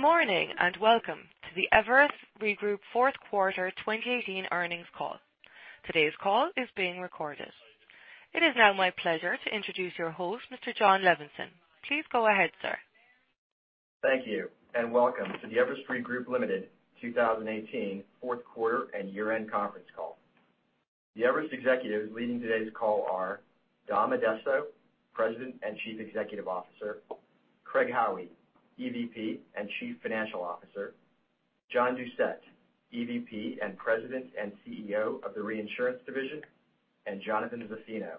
Morning, welcome to the Everest Re Group fourth quarter 2018 earnings call. Today's call is being recorded. It is now my pleasure to introduce your host, Mr. Jon Levenson. Please go ahead, sir. Thank you, welcome to the Everest Re Group, Ltd. 2018 fourth quarter and year-end conference call. The Everest executives leading today's call are Dom Addesso, President and Chief Executive Officer, Craig Howie, EVP and Chief Financial Officer, John Doucette, EVP and President and CEO of the Reinsurance Division, and Jonathan Zaffino,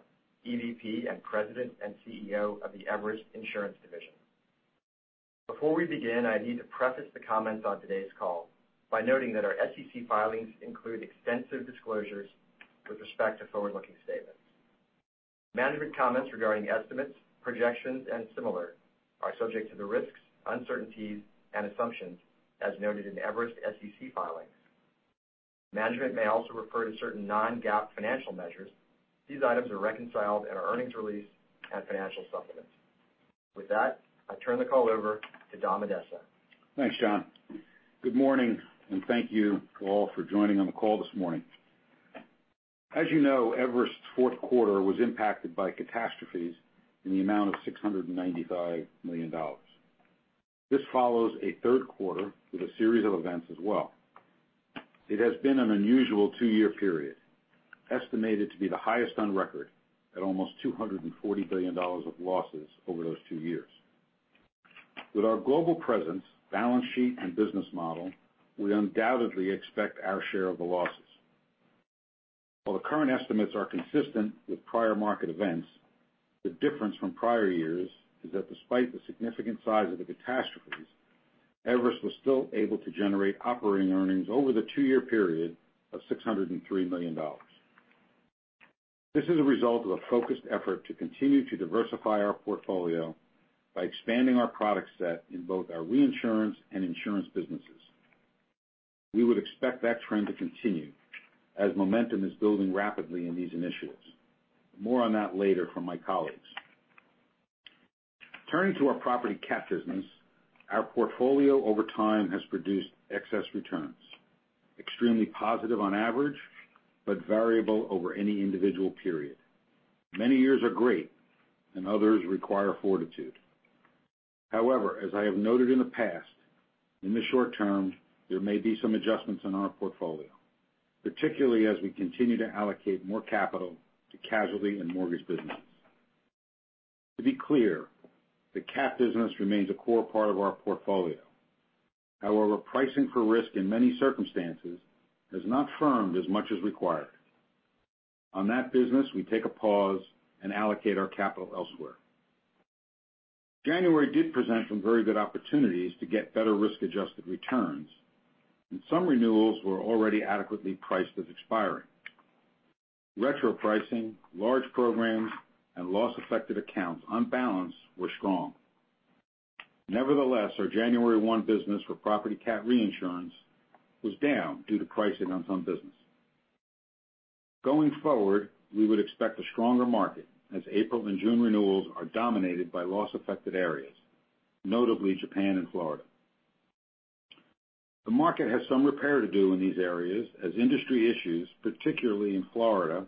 EVP and President and CEO of the Everest Insurance Division. Before we begin, I need to preface the comments on today's call by noting that our SEC filings include extensive disclosures with respect to forward-looking statements. Management comments regarding estimates, projections, and similar are subject to the risks, uncertainties, and assumptions as noted in Everest SEC filings. Management may also refer to certain non-GAAP financial measures. These items are reconciled in our earnings release and financial supplements. With that, I turn the call over to Dom Addesso. Thanks, Jon. Good morning, thank you all for joining on the call this morning. As you know, Everest's fourth quarter was impacted by catastrophes in the amount of $695 million. This follows a third quarter with a series of events as well. It has been an unusual two-year period, estimated to be the highest on record at almost $240 billion of losses over those two years. With our global presence, balance sheet, and business model, we undoubtedly expect our share of the losses. While the current estimates are consistent with prior market events, the difference from prior years is that despite the significant size of the catastrophes, Everest was still able to generate operating earnings over the two-year period of $603 million. This is a result of a focused effort to continue to diversify our portfolio by expanding our product set in both our reinsurance and insurance businesses. We would expect that trend to continue as momentum is building rapidly in these initiatives. More on that later from my colleagues. Turning to our property cat business, our portfolio over time has produced excess returns, extremely positive on average, but variable over any individual period. Many years are great and others require fortitude. However, as I have noted in the past, in the short term, there may be some adjustments in our portfolio, particularly as we continue to allocate more capital to casualty and mortgage businesses. To be clear, the cat business remains a core part of our portfolio. However, pricing for risk in many circumstances has not firmed as much as required. On that business, we take a pause and allocate our capital elsewhere. January did present some very good opportunities to get better risk-adjusted returns, and some renewals were already adequately priced as expiring. Retro pricing, large programs, and loss-affected accounts on balance were strong. Nevertheless, our January 1 business for property cat reinsurance was down due to pricing on some business. Going forward, we would expect a stronger market as April and June renewals are dominated by loss-affected areas, notably Japan and Florida. The market has some repair to do in these areas as industry issues, particularly in Florida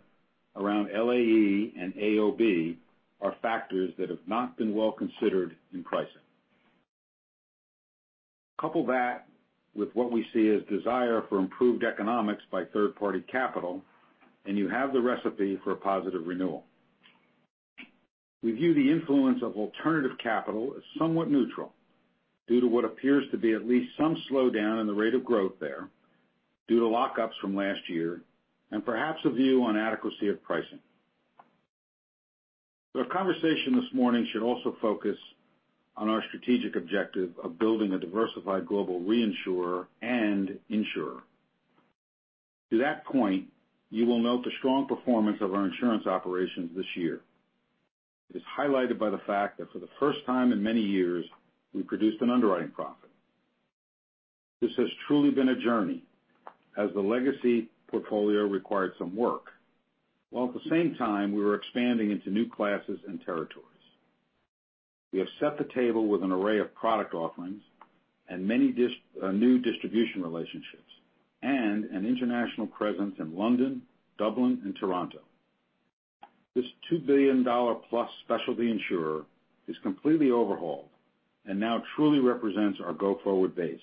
around LAE and AOB, are factors that have not been well considered in pricing. Couple that with what we see as desire for improved economics by third-party capital, and you have the recipe for a positive renewal. We view the influence of alternative capital as somewhat neutral due to what appears to be at least some slowdown in the rate of growth there due to lockups from last year and perhaps a view on adequacy of pricing. The conversation this morning should also focus on our strategic objective of building a diversified global reinsurer and insurer. To that point, you will note the strong performance of our insurance operations this year. It is highlighted by the fact that for the first time in many years, we produced an underwriting profit. This has truly been a journey as the legacy portfolio required some work, while at the same time we were expanding into new classes and territories. We have set the table with an array of product offerings and many new distribution relationships and an international presence in London, Dublin, and Toronto. This $2 billion-plus specialty insurer is completely overhauled and now truly represents our go-forward base.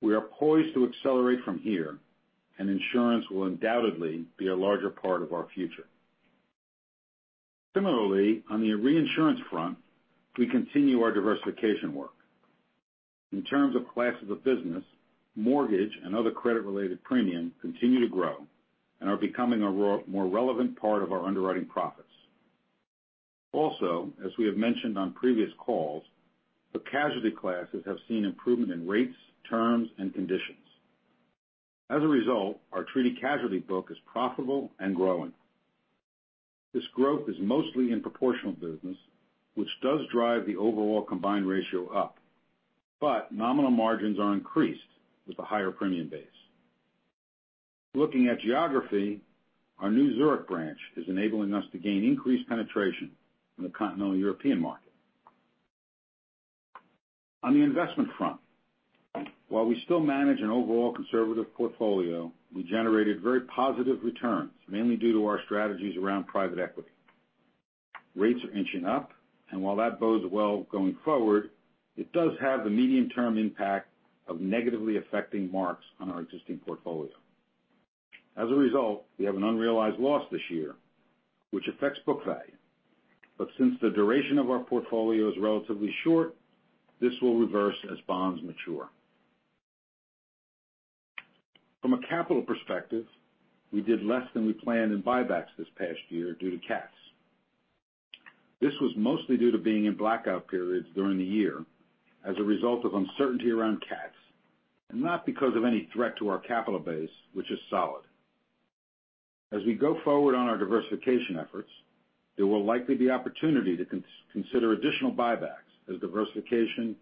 We are poised to accelerate from here, and insurance will undoubtedly be a larger part of our future. Similarly, on the reinsurance front, we continue our diversification work. In terms of classes of business, mortgage and other credit-related premium continue to grow and are becoming a more relevant part of our underwriting profits. Also, as we have mentioned on previous calls, the casualty classes have seen improvement in rates, terms, and conditions. As a result, our treaty casualty book is profitable and growing. This growth is mostly in proportional business, which does drive the overall combined ratio up, but nominal margins are increased with a higher premium base. Looking at geography, our new Zurich branch is enabling us to gain increased penetration in the continental European market. On the investment front, while we still manage an overall conservative portfolio, we generated very positive returns, mainly due to our strategies around private equity. Rates are inching up, and while that bodes well going forward, it does have the medium-term impact of negatively affecting marks on our existing portfolio. As a result, we have an unrealized loss this year, which affects book value. Since the duration of our portfolio is relatively short, this will reverse as bonds mature. From a capital perspective, we did less than we planned in buybacks this past year due to cats. This was mostly due to being in blackout periods during the year as a result of uncertainty around cats, and not because of any threat to our capital base, which is solid. As we go forward on our diversification efforts, there will likely be opportunity to consider additional buybacks, as diversification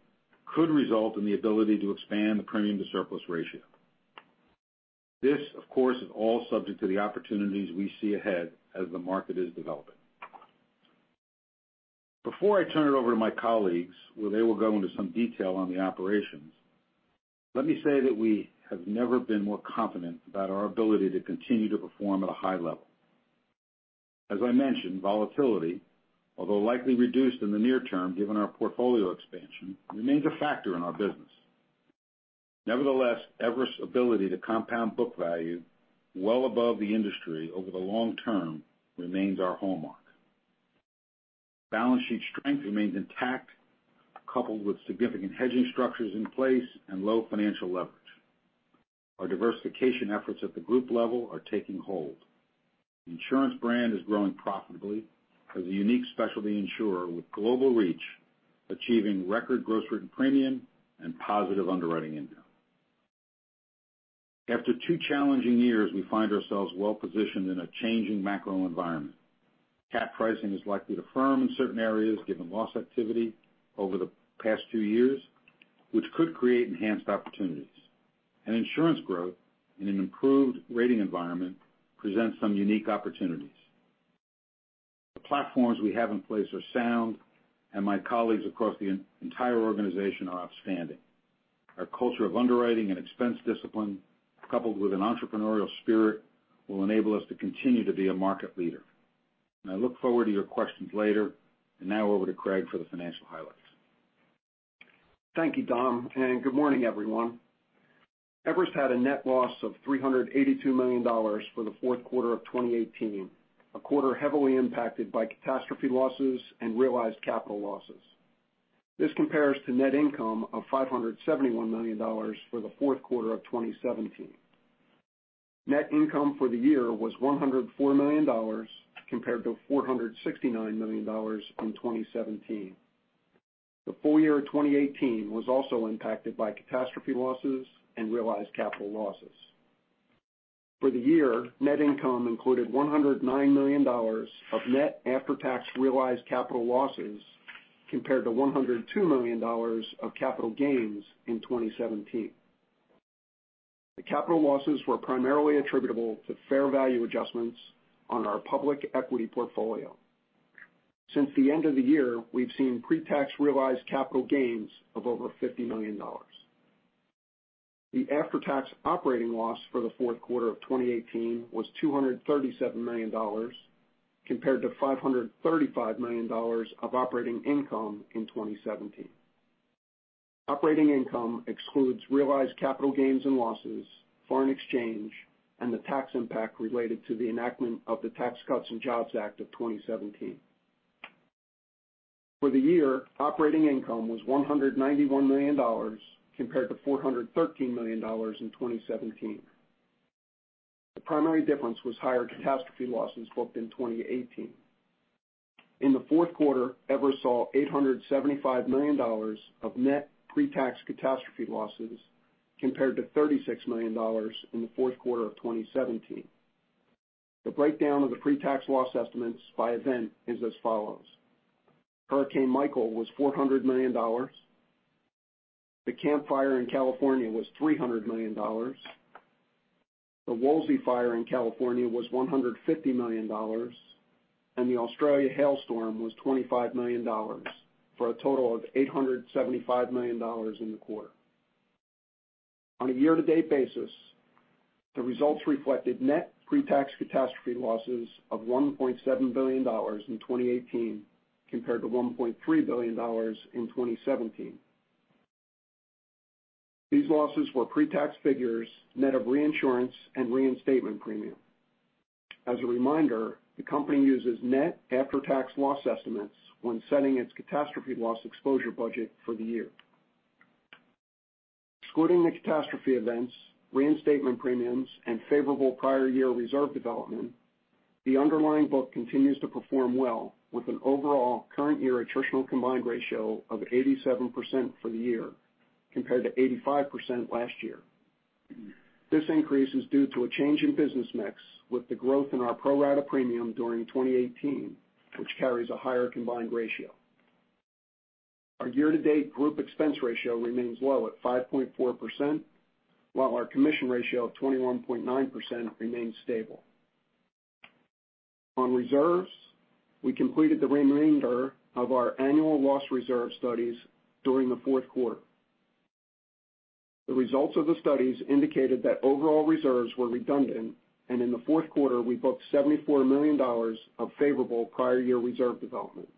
could result in the ability to expand the premium to surplus ratio. This, of course, is all subject to the opportunities we see ahead as the market is developing. Before I turn it over to my colleagues, where they will go into some detail on the operations, let me say that we have never been more confident about our ability to continue to perform at a high level. As I mentioned, volatility, although likely reduced in the near term given our portfolio expansion, remains a factor in our business. Nevertheless, Everest's ability to compound book value well above the industry over the long term remains our hallmark. Balance sheet strength remains intact, coupled with significant hedging structures in place and low financial leverage. Our diversification efforts at the group level are taking hold. The insurance brand is growing profitably as a unique specialty insurer with global reach, achieving record gross written premium and positive underwriting income. After two challenging years, we find ourselves well-positioned in a changing macro environment. Cat pricing is likely to firm in certain areas, given loss activity over the past two years, which could create enhanced opportunities. Insurance growth in an improved rating environment presents some unique opportunities. The platforms we have in place are sound, and my colleagues across the entire organization are outstanding. Our culture of underwriting and expense discipline, coupled with an entrepreneurial spirit, will enable us to continue to be a market leader. I look forward to your questions later. Now over to Craig for the financial highlights. Thank you, Dom, and good morning, everyone. Everest had a net loss of $382 million for the fourth quarter of 2018, a quarter heavily impacted by catastrophe losses and realized capital losses. This compares to net income of $571 million for the fourth quarter of 2017. Net income for the year was $104 million compared to $469 million in 2017. The full year of 2018 was also impacted by catastrophe losses and realized capital losses. For the year, net income included $109 million of net after-tax realized capital losses, compared to $102 million of capital gains in 2017. The capital losses were primarily attributable to fair value adjustments on our public equity portfolio. Since the end of the year, we've seen pre-tax realized capital gains of over $50 million. The after-tax operating loss for the fourth quarter of 2018 was $237 million, compared to $535 million of operating income in 2017. Operating income excludes realized capital gains and losses, foreign exchange, and the tax impact related to the enactment of the Tax Cuts and Jobs Act of 2017. For the year, operating income was $191 million, compared to $413 million in 2017. The primary difference was higher catastrophe losses booked in 2018. In the fourth quarter, Everest saw $875 million of net pre-tax catastrophe losses, compared to $36 million in the fourth quarter of 2017. The breakdown of the pre-tax loss estimates by event is as follows. Hurricane Michael was $400 million. The Camp Fire in California was $300 million. The Woolsey Fire in California was $150 million, and the Australia hailstorm was $25 million, for a total of $875 million in the quarter. On a year-to-date basis, the results reflected net pre-tax catastrophe losses of $1.7 billion in 2018 compared to $1.3 billion in 2017. These losses were pre-tax figures net of reinsurance and reinstatement premium. As a reminder, the company uses net after-tax loss estimates when setting its catastrophe loss exposure budget for the year. Excluding the catastrophe events, reinstatement premiums, and favorable prior year reserve development, the underlying book continues to perform well, with an overall current year attritional combined ratio of 87% for the year compared to 85% last year. This increase is due to a change in business mix with the growth in our pro rata premium during 2018, which carries a higher combined ratio. Our year-to-date group expense ratio remains low at 5.4%, while our commission ratio of 21.9% remains stable. On reserves, we completed the remainder of our annual loss reserve studies during the fourth quarter. The results of the studies indicated that overall reserves were redundant. In the fourth quarter, we booked $74 million of favorable prior year reserve development.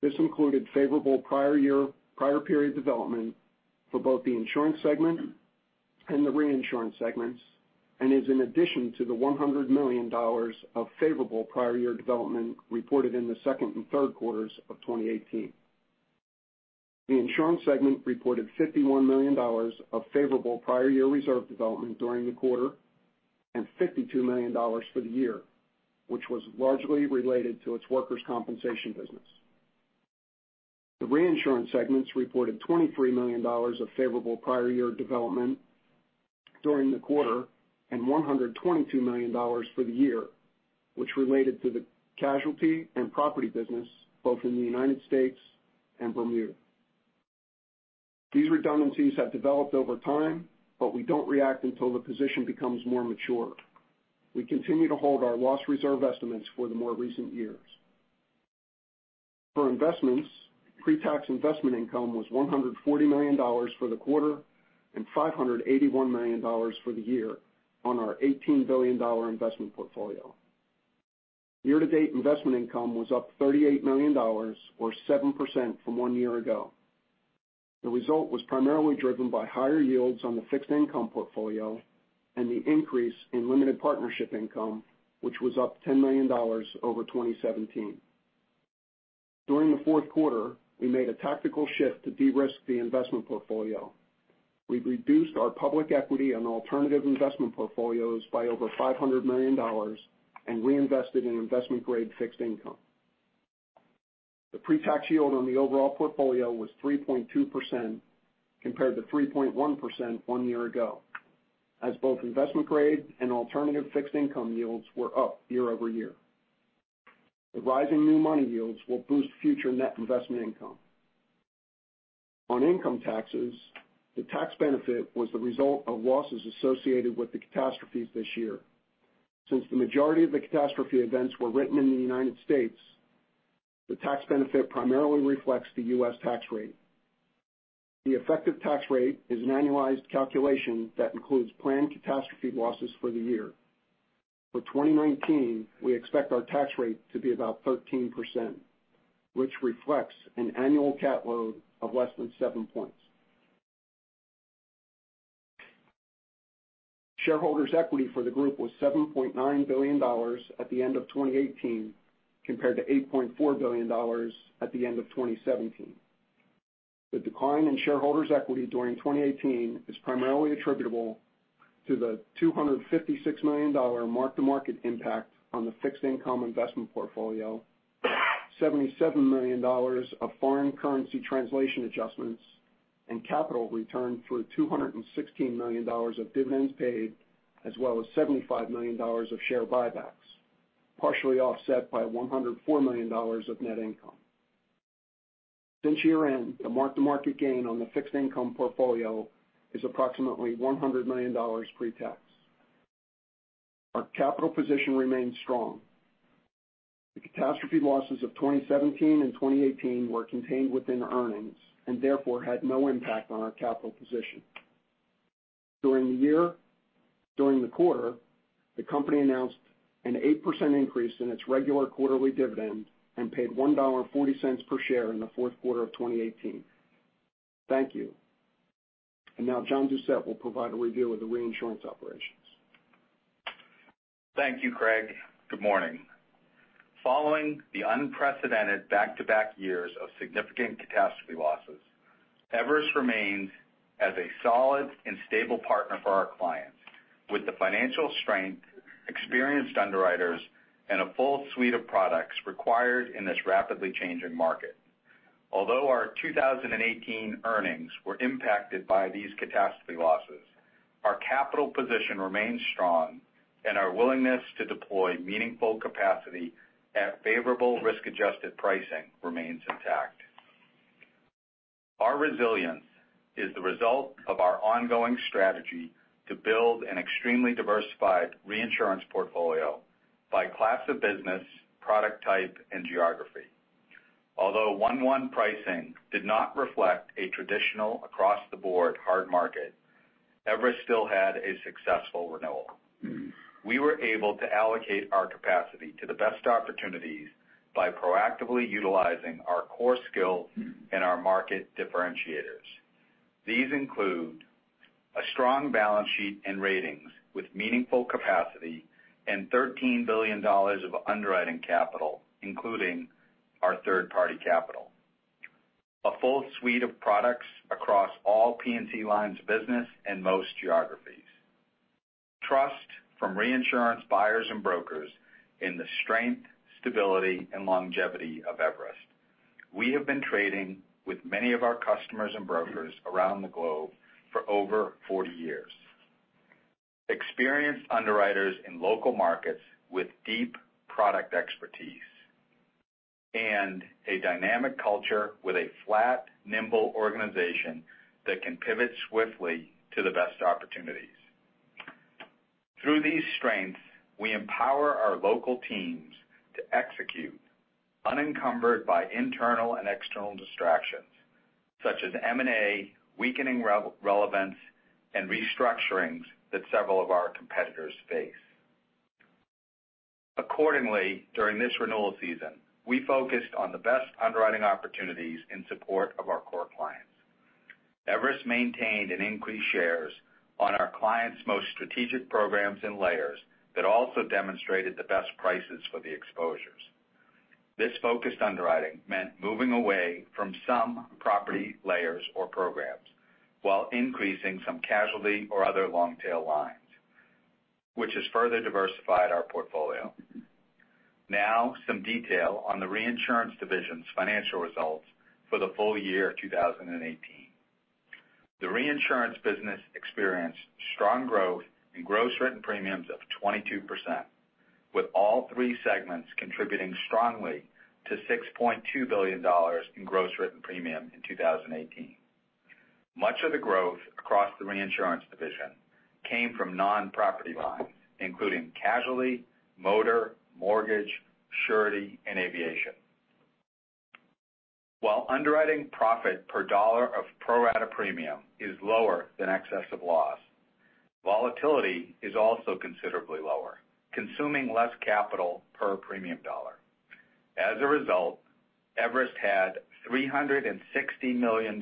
This included favorable prior period development for both the insurance segment and the reinsurance segments, and is an addition to the $100 million of favorable prior year development reported in the second and third quarters of 2018. The insurance segment reported $51 million of favorable prior year reserve development during the quarter and $52 million for the year, which was largely related to its workers' compensation business. The reinsurance segments reported $23 million of favorable prior year development during the quarter, and $122 million for the year, which related to the casualty and property business both in the U.S. and Bermuda. These redundancies have developed over time, we don't react until the position becomes more mature. We continue to hold our loss reserve estimates for the more recent years. For investments, pre-tax investment income was $140 million for the quarter and $581 million for the year on our $18 billion investment portfolio. Year-to-date investment income was up $38 million, or 7% from one year ago. The result was primarily driven by higher yields on the fixed income portfolio and the increase in limited partnership income, which was up $10 million over 2017. During the fourth quarter, we made a tactical shift to de-risk the investment portfolio. We've reduced our public equity and alternative investment portfolios by over $500 million and reinvested in investment-grade fixed income. The pre-tax yield on the overall portfolio was 3.2% compared to 3.1% one year ago, as both investment-grade and alternative fixed income yields were up year-over-year. The rising new money yields will boost future net investment income. On income taxes, the tax benefit was the result of losses associated with the catastrophes this year. Since the majority of the catastrophe events were written in the U.S., the tax benefit primarily reflects the U.S. tax rate. The effective tax rate is an annualized calculation that includes planned catastrophe losses for the year. For 2019, we expect our tax rate to be about 13%, which reflects an annual cat load of less than seven points. Shareholders' equity for the group was $7.9 billion at the end of 2018, compared to $8.4 billion at the end of 2017. The decline in shareholders' equity during 2018 is primarily attributable to the $256 million mark-to-market impact on the fixed income investment portfolio, $77 million of foreign currency translation adjustments, and capital returned through $216 million of dividends paid, as well as $75 million of share buybacks, partially offset by $104 million of net income. Since year-end, the mark-to-market gain on the fixed income portfolio is approximately $100 million pre-tax. Our capital position remains strong. The catastrophe losses of 2017 and 2018 were contained within earnings and therefore had no impact on our capital position. During the quarter, the company announced an 8% increase in its regular quarterly dividend and paid $1.40 per share in the fourth quarter of 2018. Thank you. Now John Doucette will provide a review of the reinsurance operations. Thank you, Craig. Good morning. Following the unprecedented back-to-back years of significant catastrophe losses, Everest remains as a solid and stable partner for our clients with the financial strength, experienced underwriters, and a full suite of products required in this rapidly changing market. Although our 2018 earnings were impacted by these catastrophe losses, our capital position remains strong and our willingness to deploy meaningful capacity at favorable risk-adjusted pricing remains intact. Our resilience is the result of our ongoing strategy to build an extremely diversified reinsurance portfolio by class of business, product type and geography. Although 1/1 pricing did not reflect a traditional across-the-board hard market, Everest still had a successful renewal. We were able to allocate our capacity to the best opportunities by proactively utilizing our core skills and our market differentiators. These include a strong balance sheet and ratings with meaningful capacity and $13 billion of underwriting capital, including our third-party capital. A full suite of products across all P&C lines of business and most geographies. Trust from reinsurance buyers and brokers in the strength, stability and longevity of Everest. We have been trading with many of our customers and brokers around the globe for over 40 years. Experienced underwriters in local markets with deep product expertise and a dynamic culture with a flat, nimble organization that can pivot swiftly to the best opportunities. Through these strengths, we empower our local teams to execute unencumbered by internal and external distractions, such as M&A, weakening relevance, and restructurings that several of our competitors face. During this renewal season, we focused on the best underwriting opportunities in support of our core clients. Everest maintained and increased shares on our clients' most strategic programs and layers that also demonstrated the best prices for the exposures. This focused underwriting meant moving away from some property layers or programs while increasing some casualty or other long-tail lines, which has further diversified our portfolio. Some detail on the reinsurance division's financial results for the full year 2018. The reinsurance business experienced strong growth in gross written premiums of 22%, with all three segments contributing strongly to $6.2 billion in gross written premium in 2018. Much of the growth across the reinsurance division came from non-property lines, including casualty, motor, mortgage, surety, and aviation. While underwriting profit per dollar of pro-rata premium is lower than excess of loss, volatility is also considerably lower, consuming less capital per premium dollar. As a result, Everest had $360 million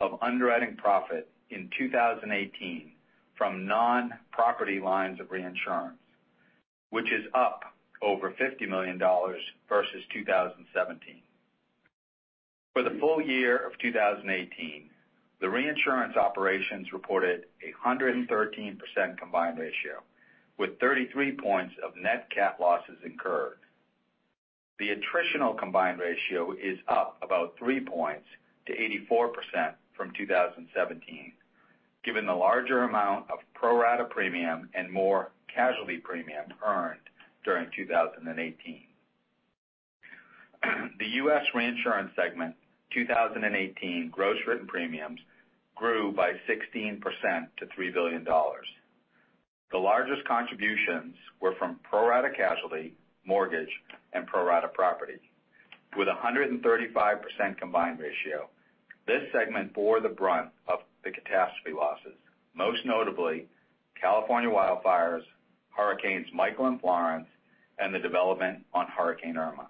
of underwriting profit in 2018 from non-property lines of reinsurance, which is up over $50 million versus 2017. For the full year of 2018, the reinsurance operations reported a 113% combined ratio with 33 points of net cat losses incurred. The attritional combined ratio is up about three points to 84% from 2017, given the larger amount of pro-rata premium and more casualty premium earned during 2018. The U.S. reinsurance segment 2018 gross written premiums grew by 16% to $3 billion. The largest contributions were from pro-rata casualty, mortgage, and pro-rata property with 135% combined ratio. This segment bore the brunt of the catastrophe losses, most notably California wildfires, Hurricane Michael and Hurricane Florence, and the development on Hurricane Irma.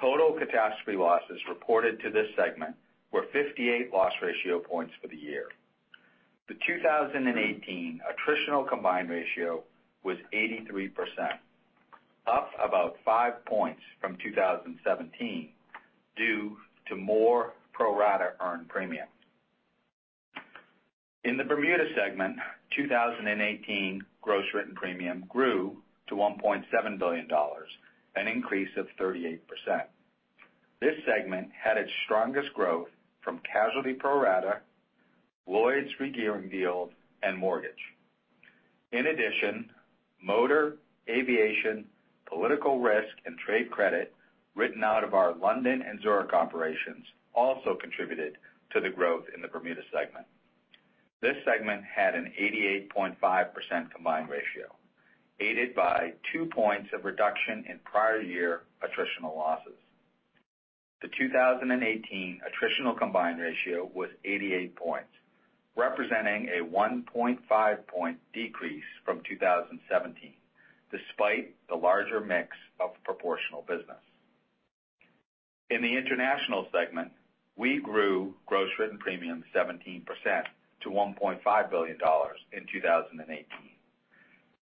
Total catastrophe losses reported to this segment were 58 loss ratio points for the year. The 2018 attritional combined ratio was 83%, up about five points from 2017 due to more pro-rata earned premium. In the Bermuda segment, 2018 gross written premium grew to $1.7 billion, an increase of 38%. This segment had its strongest growth from casualty pro-rata, Lloyd's regearing deal, and mortgage. In addition, motor, aviation, political risk, and trade credit written out of our London and Zurich operations also contributed to the growth in the Bermuda segment. This segment had an 88.5% combined ratio, aided by two points of reduction in prior year attritional losses. The 2018 attritional combined ratio was 88 points, representing a 1.5 point decrease from 2017, despite the larger mix of proportional business. In the international segment, we grew gross written premiums 17% to $1.5 billion in 2018.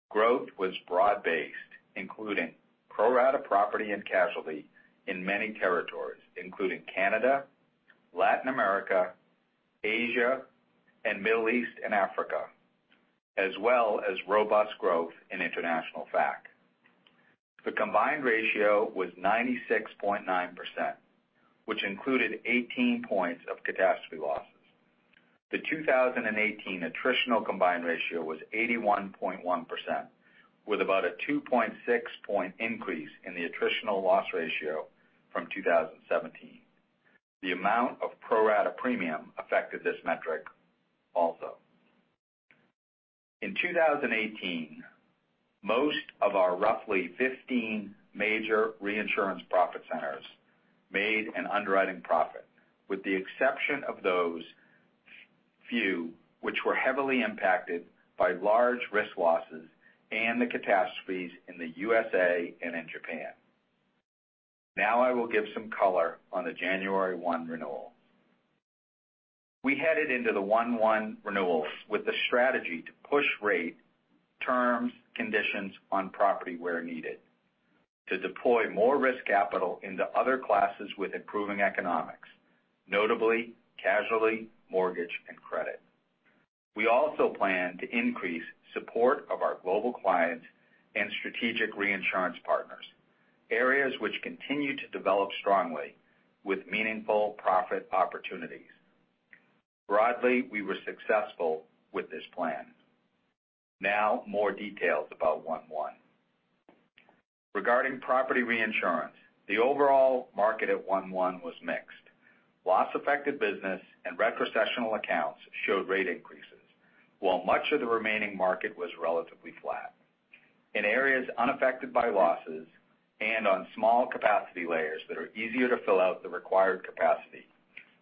Growth was broad-based, including pro-rata property and casualty in many territories, including Canada, Latin America, Asia, and Middle East and Africa, as well as robust growth in international FAC. The combined ratio was 96.9%, which included 18 points of catastrophe losses. The 2018 attritional combined ratio was 81.1%, with about a 2.6 point increase in the attritional loss ratio from 2017. The amount of pro-rata premium affected this metric also. In 2018, most of our roughly 15 major reinsurance profit centers made an underwriting profit, with the exception of those few which were heavily impacted by large risk losses and the catastrophes in the U.S.A. and in Japan. Now I will give some color on the January 1 renewal. We headed into the one-one renewals with the strategy to push rate terms, conditions on property where needed to deploy more risk capital into other classes with improving economics, notably casualty, mortgage, and credit. We also plan to increase support of our global clients and strategic reinsurance partners. Areas which continue to develop strongly with meaningful profit opportunities. Broadly, we were successful with this plan. Now more details about 1/1. Regarding property reinsurance, the overall market at 1/1 was mixed. Loss-affected business and retrocessional accounts showed rate increases, while much of the remaining market was relatively flat. In areas unaffected by losses and on small capacity layers that are easier to fill out the required capacity,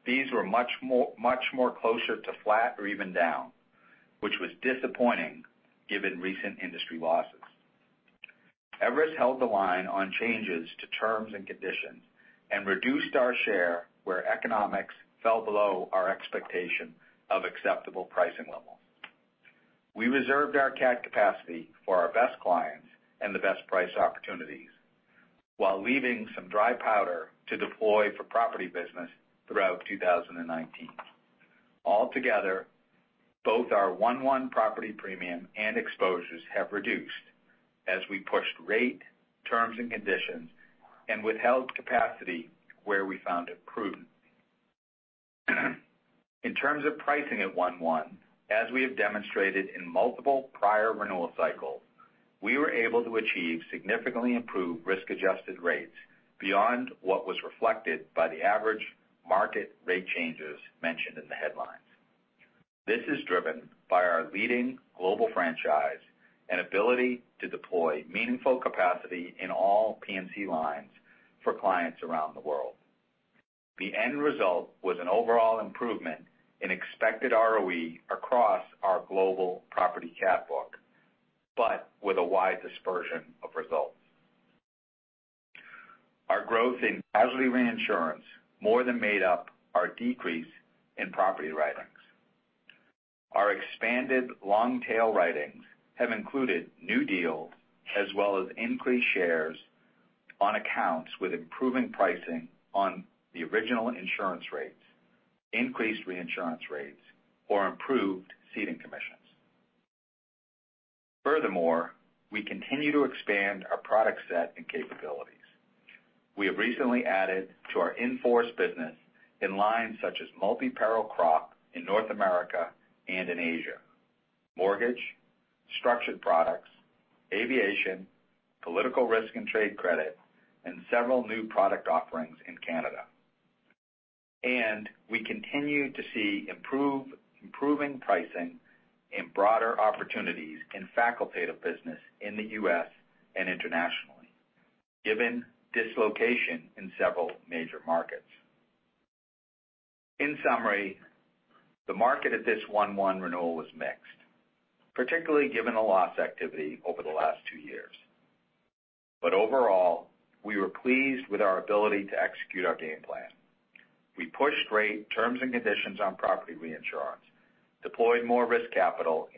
these were much more closer to flat or even down, which was disappointing given recent industry losses. Everest held the line on changes to terms and conditions and reduced our share where economics fell below our expectation of acceptable pricing level. We reserved our cat capacity for our best clients and the best price opportunities, while leaving some dry powder to deploy for property business throughout 2019. Altogether, both our 1/1 property premium and exposures have reduced as we pushed rate, terms, and conditions and withheld capacity where we found it prudent. In terms of pricing at 1/1, as we have demonstrated in multiple prior renewal cycles, we were able to achieve significantly improved risk-adjusted rates beyond what was reflected by the average market rate changes mentioned in the headlines. This is driven by our leading global franchise and ability to deploy meaningful capacity in all P&C lines for clients around the world. The end result was an overall improvement in expected ROE across our global property cat book, but with a wide dispersion of results. Our growth in casualty reinsurance more than made up our decrease in property writings. Our expanded long-tail writings have included new deals as well as increased shares on accounts with improving pricing on the original insurance rates, increased reinsurance rates, or improved ceding commissions. We continue to expand our product set and capabilities. We have recently added to our in-force business in lines such as multi-peril crop in North America and in Asia, mortgage, structured products, aviation, political risk and trade credit, and several new product offerings in Canada. We continue to see improving pricing and broader opportunities in facultative business in the U.S. and internationally, given dislocation in several major markets. In summary, the market at this 1/1 renewal was mixed, particularly given the loss activity over the last two years. Overall, we were pleased with our ability to execute our game plan. We pushed rate, terms, and conditions on property reinsurance, deployed more risk capital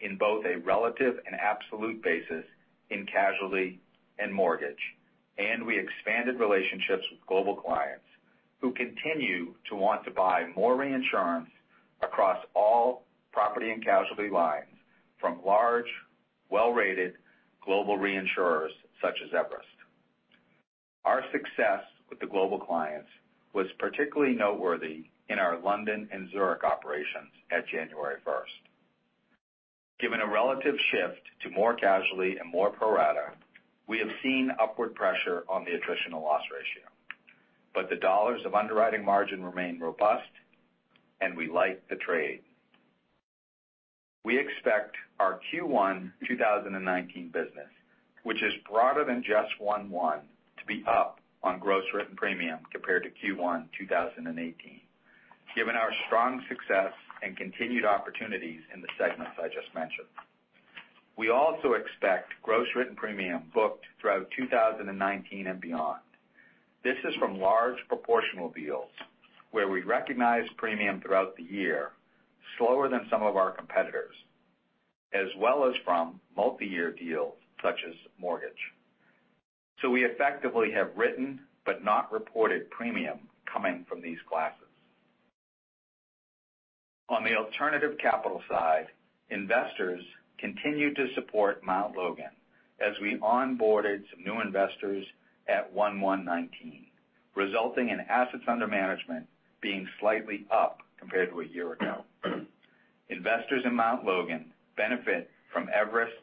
in both a relative and absolute basis in casualty and mortgage, and we expanded relationships with global clients who continue to want to buy more reinsurance across all property and casualty lines from large, well-rated global reinsurers such as Everest. Our success with the global clients was particularly noteworthy in our London and Zurich operations at January 1st. Given a relative shift to more casualty and more pro-rata, we have seen upward pressure on the attritional loss ratio. The dollars of underwriting margin remain robust, and we like the trade. We expect our Q1 2019 business, which is broader than just 1/1, to be up on gross written premium compared to Q1 2018, given our strong success and continued opportunities in the segments I just mentioned. We also expect gross written premium booked throughout 2019 and beyond. This is from large proportional deals where we recognize premium throughout the year slower than some of our competitors, as well as from multi-year deals such as mortgage. We effectively have written but not reported premium coming from these classes. On the alternative capital side, investors continued to support Mt. Logan as we onboarded some new investors at 1/1/19, resulting in assets under management being slightly up compared to a year ago. Investors in Mt. Logan benefit from Everest's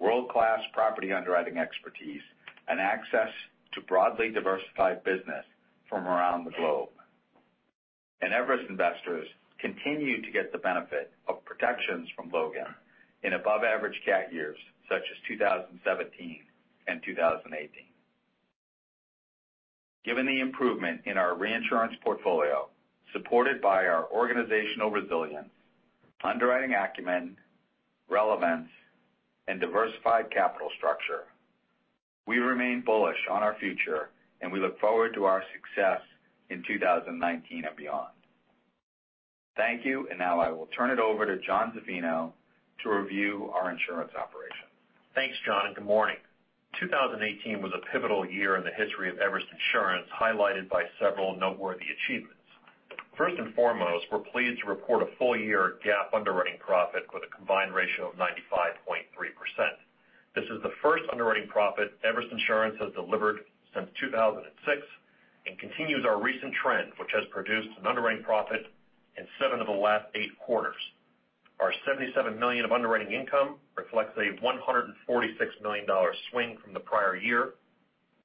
world-class property underwriting expertise and access to broadly diversified business from around the globe. Everest investors continue to get the benefit of protections from Logan in above-average cat years such as 2017 and 2018. Given the improvement in our reinsurance portfolio, supported by our organizational resilience, underwriting acumen, relevance, and diversified capital structure, we remain bullish on our future, and we look forward to our success in 2019 and beyond. Thank you. Now I will turn it over to John Zaffino to review our insurance operation. Thanks, John, and good morning. 2018 was a pivotal year in the history of Everest Insurance, highlighted by several noteworthy achievements. First and foremost, we're pleased to report a full year GAAP underwriting profit with a combined ratio of 95.3%. This is the first underwriting profit Everest Insurance has delivered since 2006 and continues our recent trend, which has produced an underwriting profit in seven of the last eight quarters. Our $77 million of underwriting income reflects a $146 million swing from the prior year,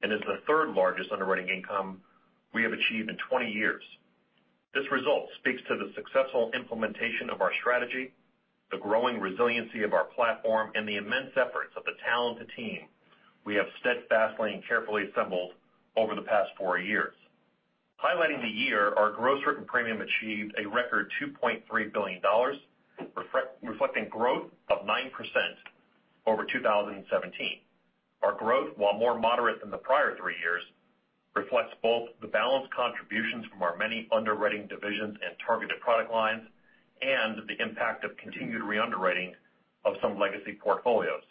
and is the third-largest underwriting income we have achieved in 20 years. This result speaks to the successful implementation of our strategy, the growing resiliency of our platform, and the immense efforts of the talented team we have steadfastly and carefully assembled over the past four years. Highlighting the year, our gross written premium achieved a record $2.3 billion, reflecting growth of 9% over 2017. Our growth, while more moderate than the prior three years, reflects both the balanced contributions from our many underwriting divisions and targeted product lines, and the impact of continued re-underwriting of some legacy portfolios.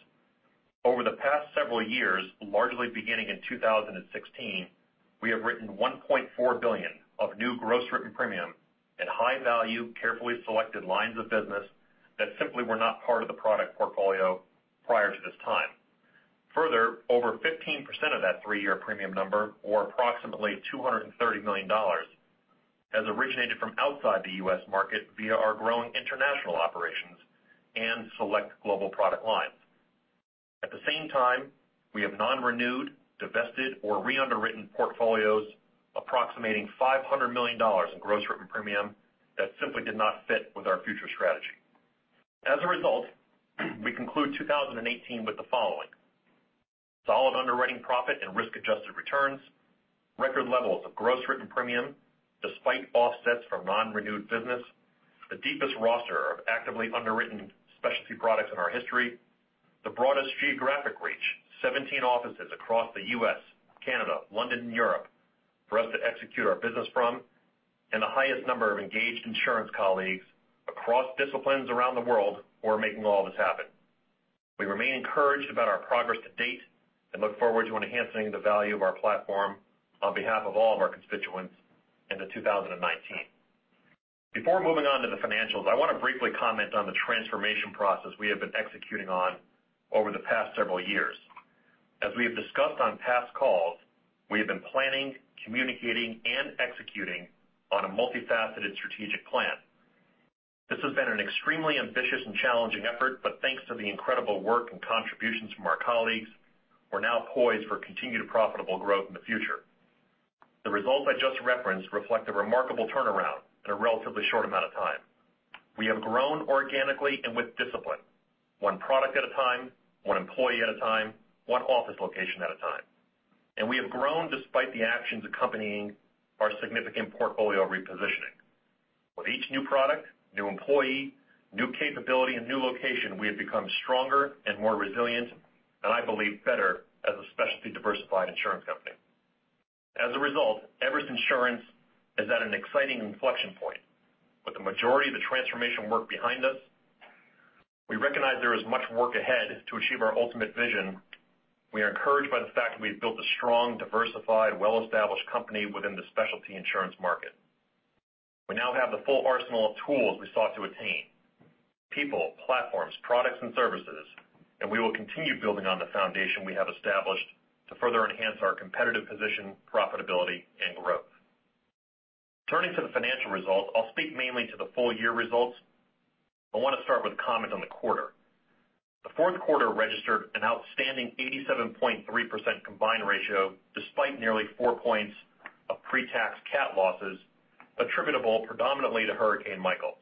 Over the past several years, largely beginning in 2016, we have written $1.4 billion of new gross written premium in high-value, carefully selected lines of business that simply were not part of the product portfolio prior to this time. Further, over 15% of that three-year premium number, or approximately $230 million, has originated from outside the U.S. market via our growing international operations and select global product lines. At the same time, we have non-renewed, divested, or re-underwritten portfolios approximating $500 million in gross written premium that simply did not fit with our future strategy. As a result, we conclude 2018 with the following: solid underwriting profit and risk-adjusted returns, record levels of gross written premium despite offsets from non-renewed business, the deepest roster of actively underwritten specialty products in our history, the broadest geographic reach, 17 offices across the U.S., Canada, London, and Europe for us to execute our business from, and the highest number of engaged insurance colleagues across disciplines around the world who are making all this happen. We remain encouraged about our progress to date and look forward to enhancing the value of our platform on behalf of all of our constituents into 2019. Before moving on to the financials, I want to briefly comment on the transformation process we have been executing on over the past several years. As we have discussed on past calls, we have been planning, communicating, and executing on a multifaceted strategic plan. This has been an extremely ambitious and challenging effort, thanks to the incredible work and contributions from our colleagues, we're now poised for continued profitable growth in the future. The results I just referenced reflect a remarkable turnaround in a relatively short amount of time. We have grown organically and with discipline, one product at a time, one employee at a time, one office location at a time. We have grown despite the actions accompanying our significant portfolio repositioning. With each new product, new employee, new capability, and new location, we have become stronger and more resilient, and I believe better as a specialty diversified insurance company. As a result, Everest Insurance is at an exciting inflection point. With the majority of the transformation work behind us, we recognize there is much work ahead to achieve our ultimate vision. We are encouraged by the fact that we've built a strong, diversified, well-established company within the specialty insurance market. We now have the full arsenal of tools we sought to attain, people, platforms, products, and services, we will continue building on the foundation we have established to further enhance our competitive position, profitability, and growth. Turning to the financial results, I'll speak mainly to the full-year results. I want to start with a comment on the quarter. The fourth quarter registered an outstanding 87.3% combined ratio, despite nearly four points of pre-tax cat losses attributable predominantly to Hurricane Michael.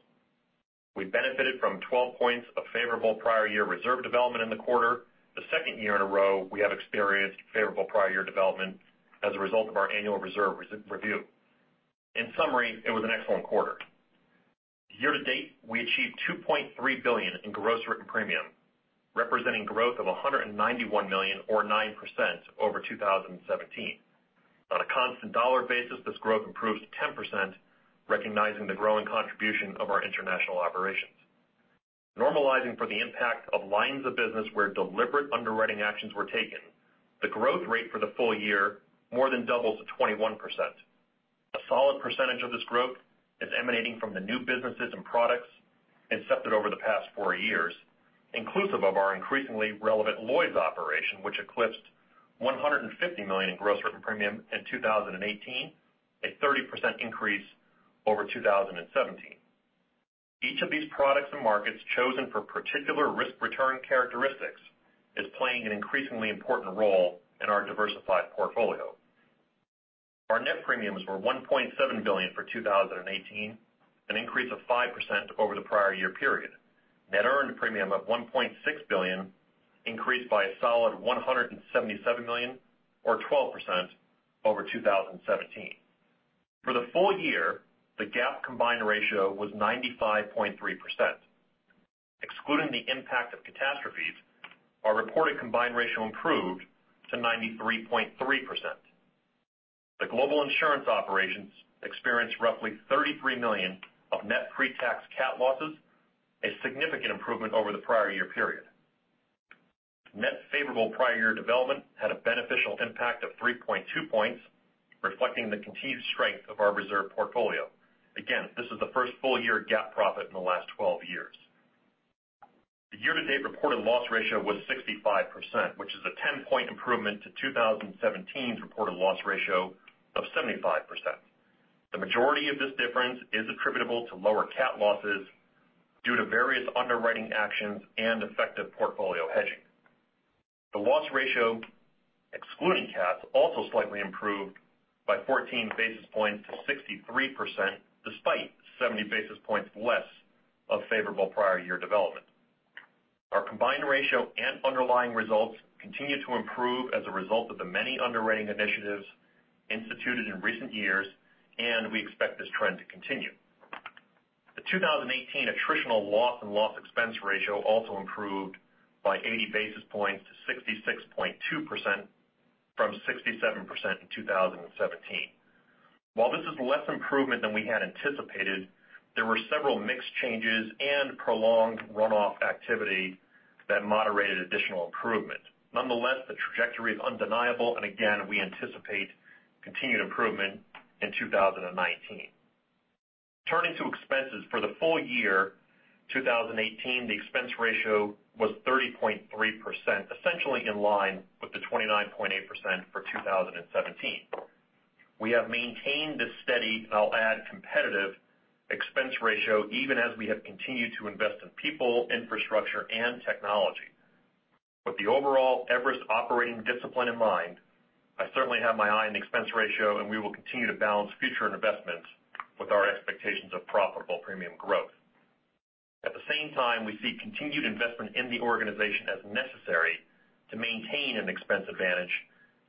We benefited from 12 points of favorable prior year reserve development in the quarter, the second year in a row we have experienced favorable prior year development as a result of our annual reserve review. In summary, it was an excellent quarter. Year to date, we achieved $2.3 billion in gross written premium, representing growth of $191 million or 9% over 2017. On a constant dollar basis, this growth improves to 10%, recognizing the growing contribution of our international operations. Normalizing for the impact of lines of business where deliberate underwriting actions were taken, the growth rate for the full year more than doubles to 21%. A solid percentage of this growth is emanating from the new businesses and products incepted over the past four years, inclusive of our increasingly relevant Lloyd's operation, which eclipsed $150 million in gross written premium in 2018, a 30% increase over 2017. Each of these products and markets chosen for particular risk-return characteristics is playing an increasingly important role in our diversified portfolio. Our net premiums were $1.7 billion for 2018, an increase of 5% over the prior year period. Net earned premium of $1.6 billion increased by a solid $177 million or 12% over 2017. For the full year, the GAAP combined ratio was 95.3%. Excluding the impact of catastrophes, our reported combined ratio improved to 93.3%. The global insurance operations experienced roughly $33 million of net pre-tax cat losses, a significant improvement over the prior year period. Net favorable prior year development had a beneficial impact of 3.2 points, reflecting the continued strength of our reserve portfolio. Again, this is the first full year GAAP profit in the last 12 years. The year-to-date reported loss ratio was 65%, which is a 10-point improvement to 2017's reported loss ratio of 75%. The majority of this difference is attributable to lower cat losses due to various underwriting actions and effective portfolio hedging. The loss ratio, excluding cats, also slightly improved by 14 basis points to 63%, despite 70 basis points less of favorable prior year development. Our combined ratio and underlying results continue to improve as a result of the many underwriting initiatives instituted in recent years, and we expect this trend to continue. The 2018 attritional loss and loss expense ratio also improved by 80 basis points to 66.2% from 67% in 2017. While this is less improvement than we had anticipated, there were several mix changes and prolonged runoff activity that moderated additional improvement. Nonetheless, the trajectory is undeniable, and again, we anticipate continued improvement in 2019. Turning to expenses for the full year 2018, the expense ratio was 30.3%, essentially in line with the 29.8% for 2017. We have maintained this steady, and I'll add, competitive expense ratio even as we have continued to invest in people, infrastructure and technology. With the overall Everest operating discipline in mind, I certainly have my eye on expense ratio, and we will continue to balance future investments with our expectations of profitable premium growth. At the same time, we see continued investment in the organization as necessary to maintain an expense advantage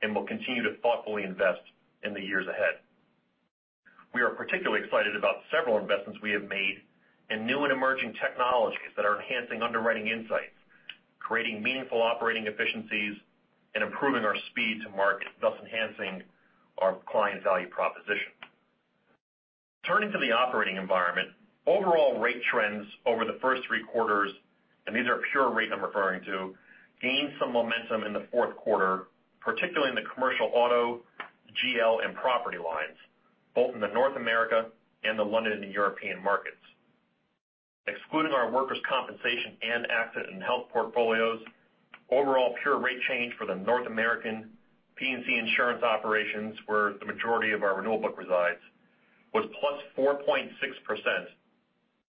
and will continue to thoughtfully invest in the years ahead. We are particularly excited about several investments we have made in new and emerging technologies that are enhancing underwriting insights, creating meaningful operating efficiencies, and improving our speed to market, thus enhancing our client value proposition. Turning to the operating environment, overall rate trends over the first three quarters, and these are pure rate I'm referring to, gained some momentum in the fourth quarter, particularly in the commercial auto, GL, and property lines, both in the North America and the London and European markets. Excluding our workers' compensation and accident and health portfolios, overall pure rate change for the North American P&C insurance operations, where the majority of our renewal book resides, was plus 4.6%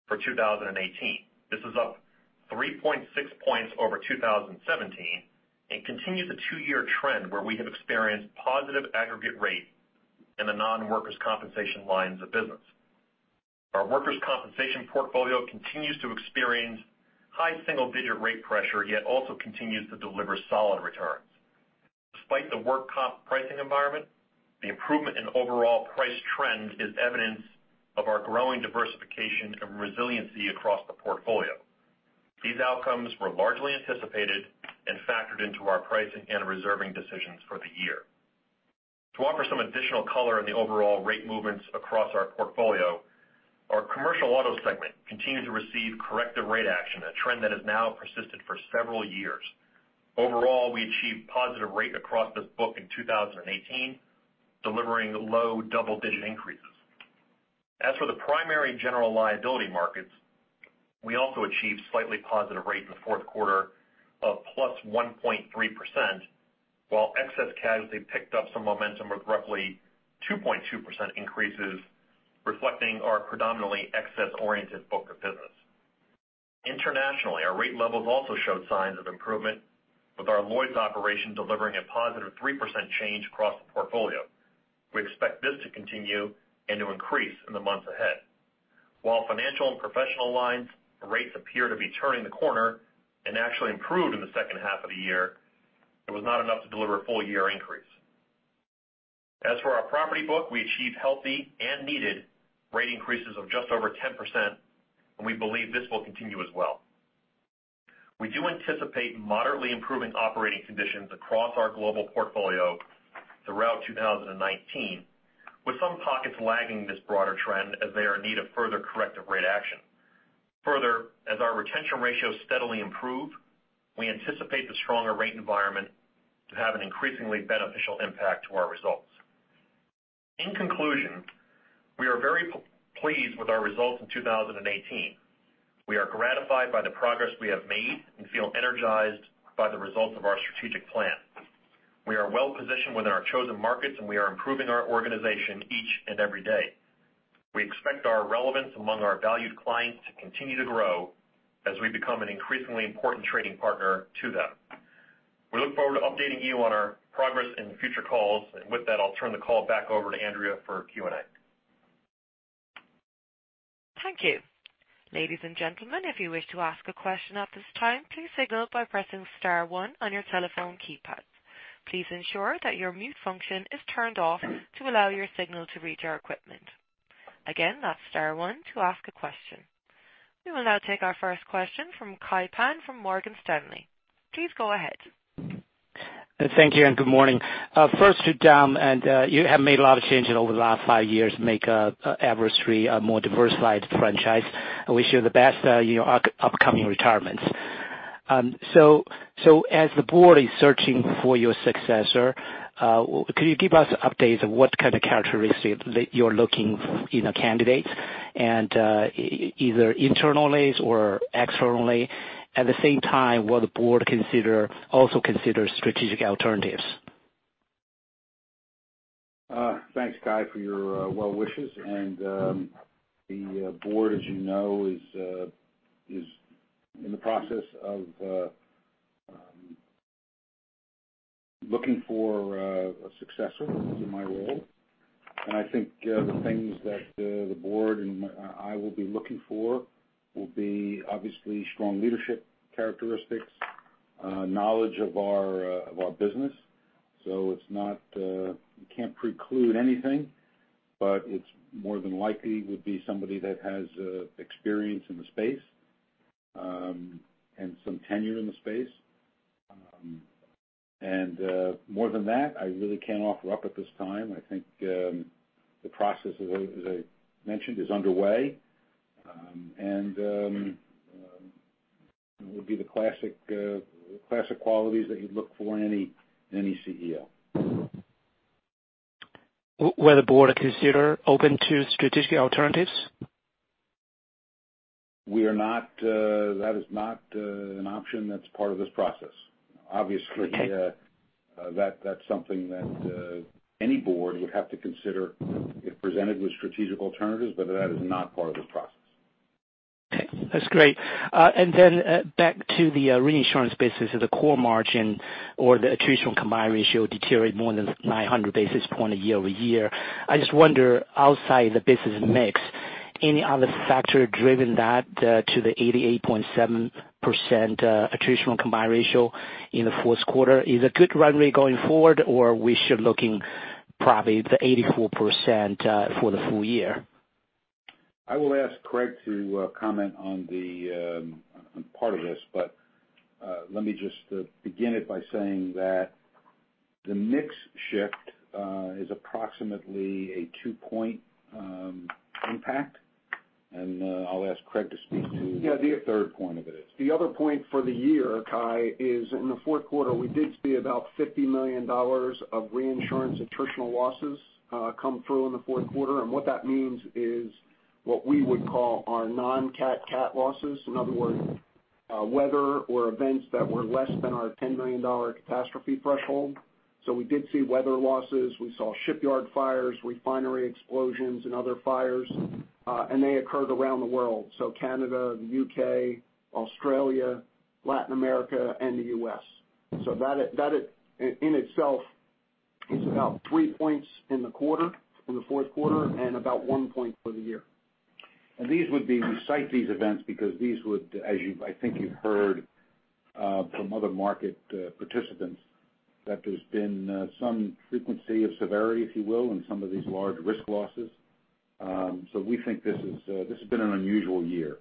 for 2018. This is up 3.6 points over 2017 and continues a two-year trend where we have experienced positive aggregate rate in the non-workers' compensation lines of business. Our workers' compensation portfolio continues to experience high single-digit rate pressure, yet also continues to deliver solid returns. Despite the work comp pricing environment, the improvement in overall price trend is evidence of our growing diversification and resiliency across the portfolio. These outcomes were largely anticipated and factored into our pricing and reserving decisions for the year. To offer some additional color on the overall rate movements across our portfolio, our commercial auto segment continued to receive corrective rate action, a trend that has now persisted for several years. Overall, we achieved positive rate across this book in 2018, delivering low double-digit increases. As for the primary general liability markets, we also achieved slightly positive rate in the fourth quarter of plus 1.3%, while excess casualty picked up some momentum with roughly 2.2% increases, reflecting our predominantly excess-oriented book of business. Internationally, our rate levels also showed signs of improvement, with our Lloyd's operation delivering a positive 3% change across the portfolio. We expect this to continue and to increase in the months ahead. While financial and professional lines rates appear to be turning the corner and actually improved in the second half of the year, it was not enough to deliver a full-year increase. As for our property book, we achieved healthy and needed rate increases of just over 10%, and we believe this will continue as well. We do anticipate moderately improving operating conditions across our global portfolio throughout 2019, with some pockets lagging this broader trend as they are in need of further corrective rate action. Further, as our retention ratios steadily improve, we anticipate the stronger rate environment to have an increasingly beneficial impact to our results. In conclusion, we are very pleased with our results in 2018. We are gratified by the progress we have made and feel energized by the results of our strategic plan. We are well-positioned within our chosen markets, and we are improving our organization each and every day. We expect our relevance among our valued clients to continue to grow as we become an increasingly important trading partner to them. We look forward to updating you on our progress in future calls. With that, I'll turn the call back over to Andrea for Q&A. Thank you. Ladies and gentlemen, if you wish to ask a question at this time, please signal by pressing star one on your telephone keypad. Please ensure that your mute function is turned off to allow your signal to reach our equipment. Again, that's star one to ask a question. We will now take our first question from Kai Pan from Morgan Stanley. Please go ahead. Thank you, and good morning. First to Dom. You have made a lot of changes over the last five years to make Everest Re a more diversified franchise. I wish you the best in your upcoming retirement. As the board is searching for your successor, could you give us updates on what kind of characteristics that you're looking for in a candidate, and either internally or externally? At the same time, will the board also consider strategic alternatives? Thanks, Kai, for your well wishes. The board, as you know, is in the process of looking for a successor to my role. I think the things that the board and I will be looking for will be obviously strong leadership characteristics, knowledge of our business. You can't preclude anything, but it more than likely would be somebody that has experience in the space and some tenure in the space. More than that, I really can't offer up at this time. I think the process, as I mentioned, is underway, and it would be the classic qualities that you'd look for in any CEO. Will the board consider open to strategic alternatives? That is not an option that's part of this process. Okay That's something that any board would have to consider if presented with strategic alternatives, but that is not part of this process. Okay. That's great. Back to the reinsurance business, the core margin or the attritional combined ratio deteriorate more than 900 basis point year-over-year. I just wonder, outside the business mix, any other factor driven that to the 88.7% attritional combined ratio in the fourth quarter is a good runway going forward, or we should looking probably the 84% for the full year? I will ask Craig to comment on part of this, but let me just begin it by saying that the mix shift is approximately a two-point impact, and I'll ask Craig to speak to- Yeah the third point of it. The other point for the year, Kai, is in the fourth quarter, we did see about $50 million of reinsurance attritional losses come through in the fourth quarter. What that means is what we would call our non-cat, cat losses. In other words, weather or events that were less than our $10 million catastrophe threshold. We did see weather losses, we saw shipyard fires, refinery explosions, and other fires. They occurred around the world, Canada, the U.K., Australia, Latin America, and the U.S. That in itself is about three points in the fourth quarter and about one point for the year. We cite these events because these would, as I think you've heard from other market participants, there's been some frequency of severity, if you will, in some of these large risk losses. We think this has been an unusual year,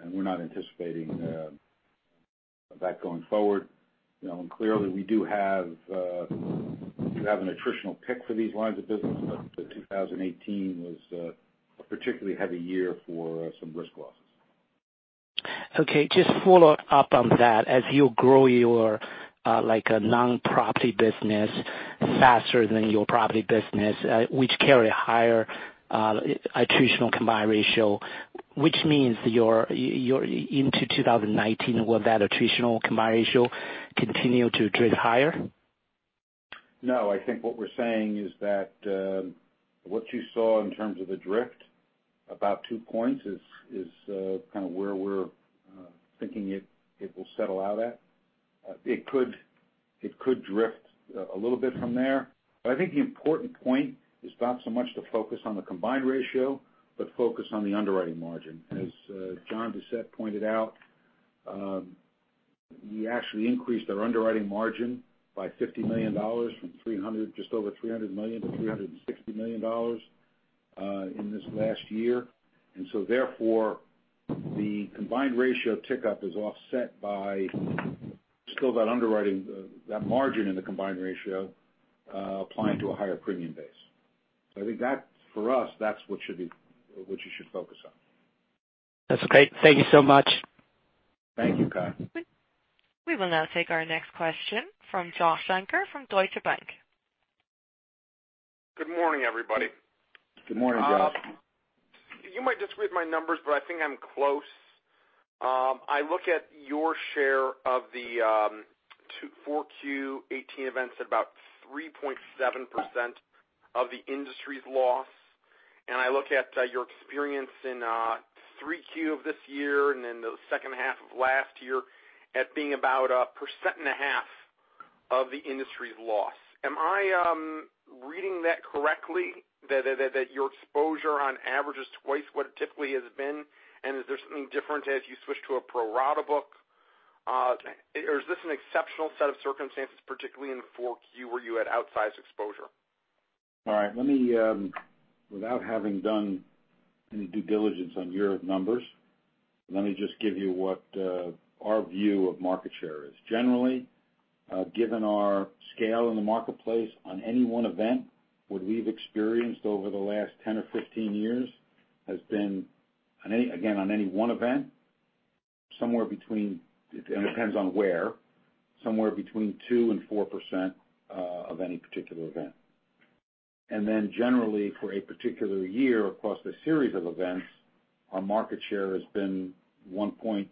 and we're not anticipating that going forward. Clearly we do have an attritional pick for these lines of business, but 2018 was a particularly heavy year for some risk losses. Okay. Just follow up on that. As you grow your non-property business faster than your property business, which carry a higher attritional combined ratio, which means you're into 2019, will that attritional combined ratio continue to drift higher? No. I think what we're saying is that what you saw in terms of the drift about two points is kind of where we're thinking it will settle out at. It could drift a little bit from there. I think the important point is not so much to focus on the combined ratio, but focus on the underwriting margin. As John Doucette pointed out, we actually increased our underwriting margin by $50 million from just over $300 million to $360 million in this last year. Therefore, the combined ratio tick up is offset by still that underwriting, that margin in the combined ratio applying to a higher premium base. I think that for us, that's what you should focus on. That's great. Thank you so much. Thank you, Kai. We will now take our next question from Josh Shanker from Deutsche Bank. Good morning, everybody. Good morning, Josh. You might disagree with my numbers, I think I'm close. I look at your share of the 4Q 2018 events at about 3.7% of the industry's loss. I look at your experience in 3Q of this year and in the second half of last year as being about 1.5% of the industry's loss. Am I reading that correctly, that your exposure on average is twice what it typically has been? Is there something different as you switch to a pro-rata book? Is this an exceptional set of circumstances, particularly in 4Q where you had outsized exposure? All right. Without having done any due diligence on your numbers, let me just give you what our view of market share is. Generally, given our scale in the marketplace on any one event, what we've experienced over the last 10 or 15 years has been, again, on any one event, and it depends on where, somewhere between 2% and 4% of any particular event. Generally, for a particular year across a series of events, our market share has been 1.3%,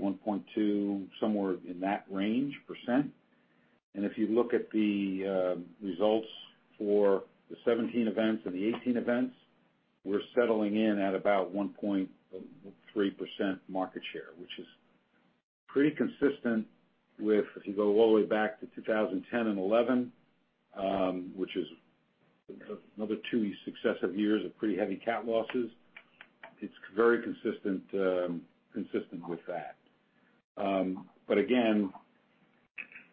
1.2%, somewhere in that range percent. If you look at the results for the 2017 events and the 2018 events, we're settling in at about 1.3% market share, which is pretty consistent with, if you go all the way back to 2010 and 2011, which is another two successive years of pretty heavy cat losses. It's very consistent with that. Again,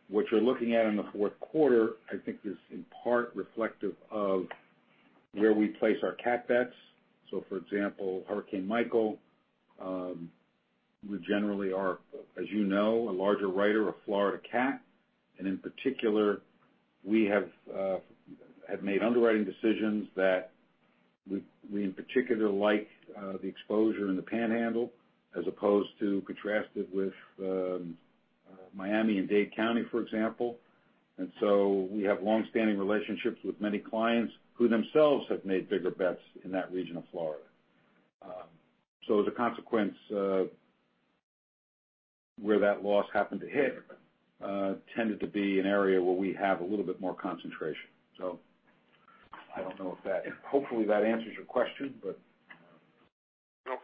what you're looking at in the fourth quarter, I think, is in part reflective of where we place our cat bets. For example, Hurricane Michael, we generally are, as you know, a larger writer of Florida cat. In particular, we have made underwriting decisions that we in particular like the exposure in the Panhandle as opposed to contrasted with Miami and Dade County, for example. We have longstanding relationships with many clients who themselves have made bigger bets in that region of Florida. As a consequence, where that loss happened to hit tended to be an area where we have a little bit more concentration. I don't know if that hopefully that answers your question. Okay.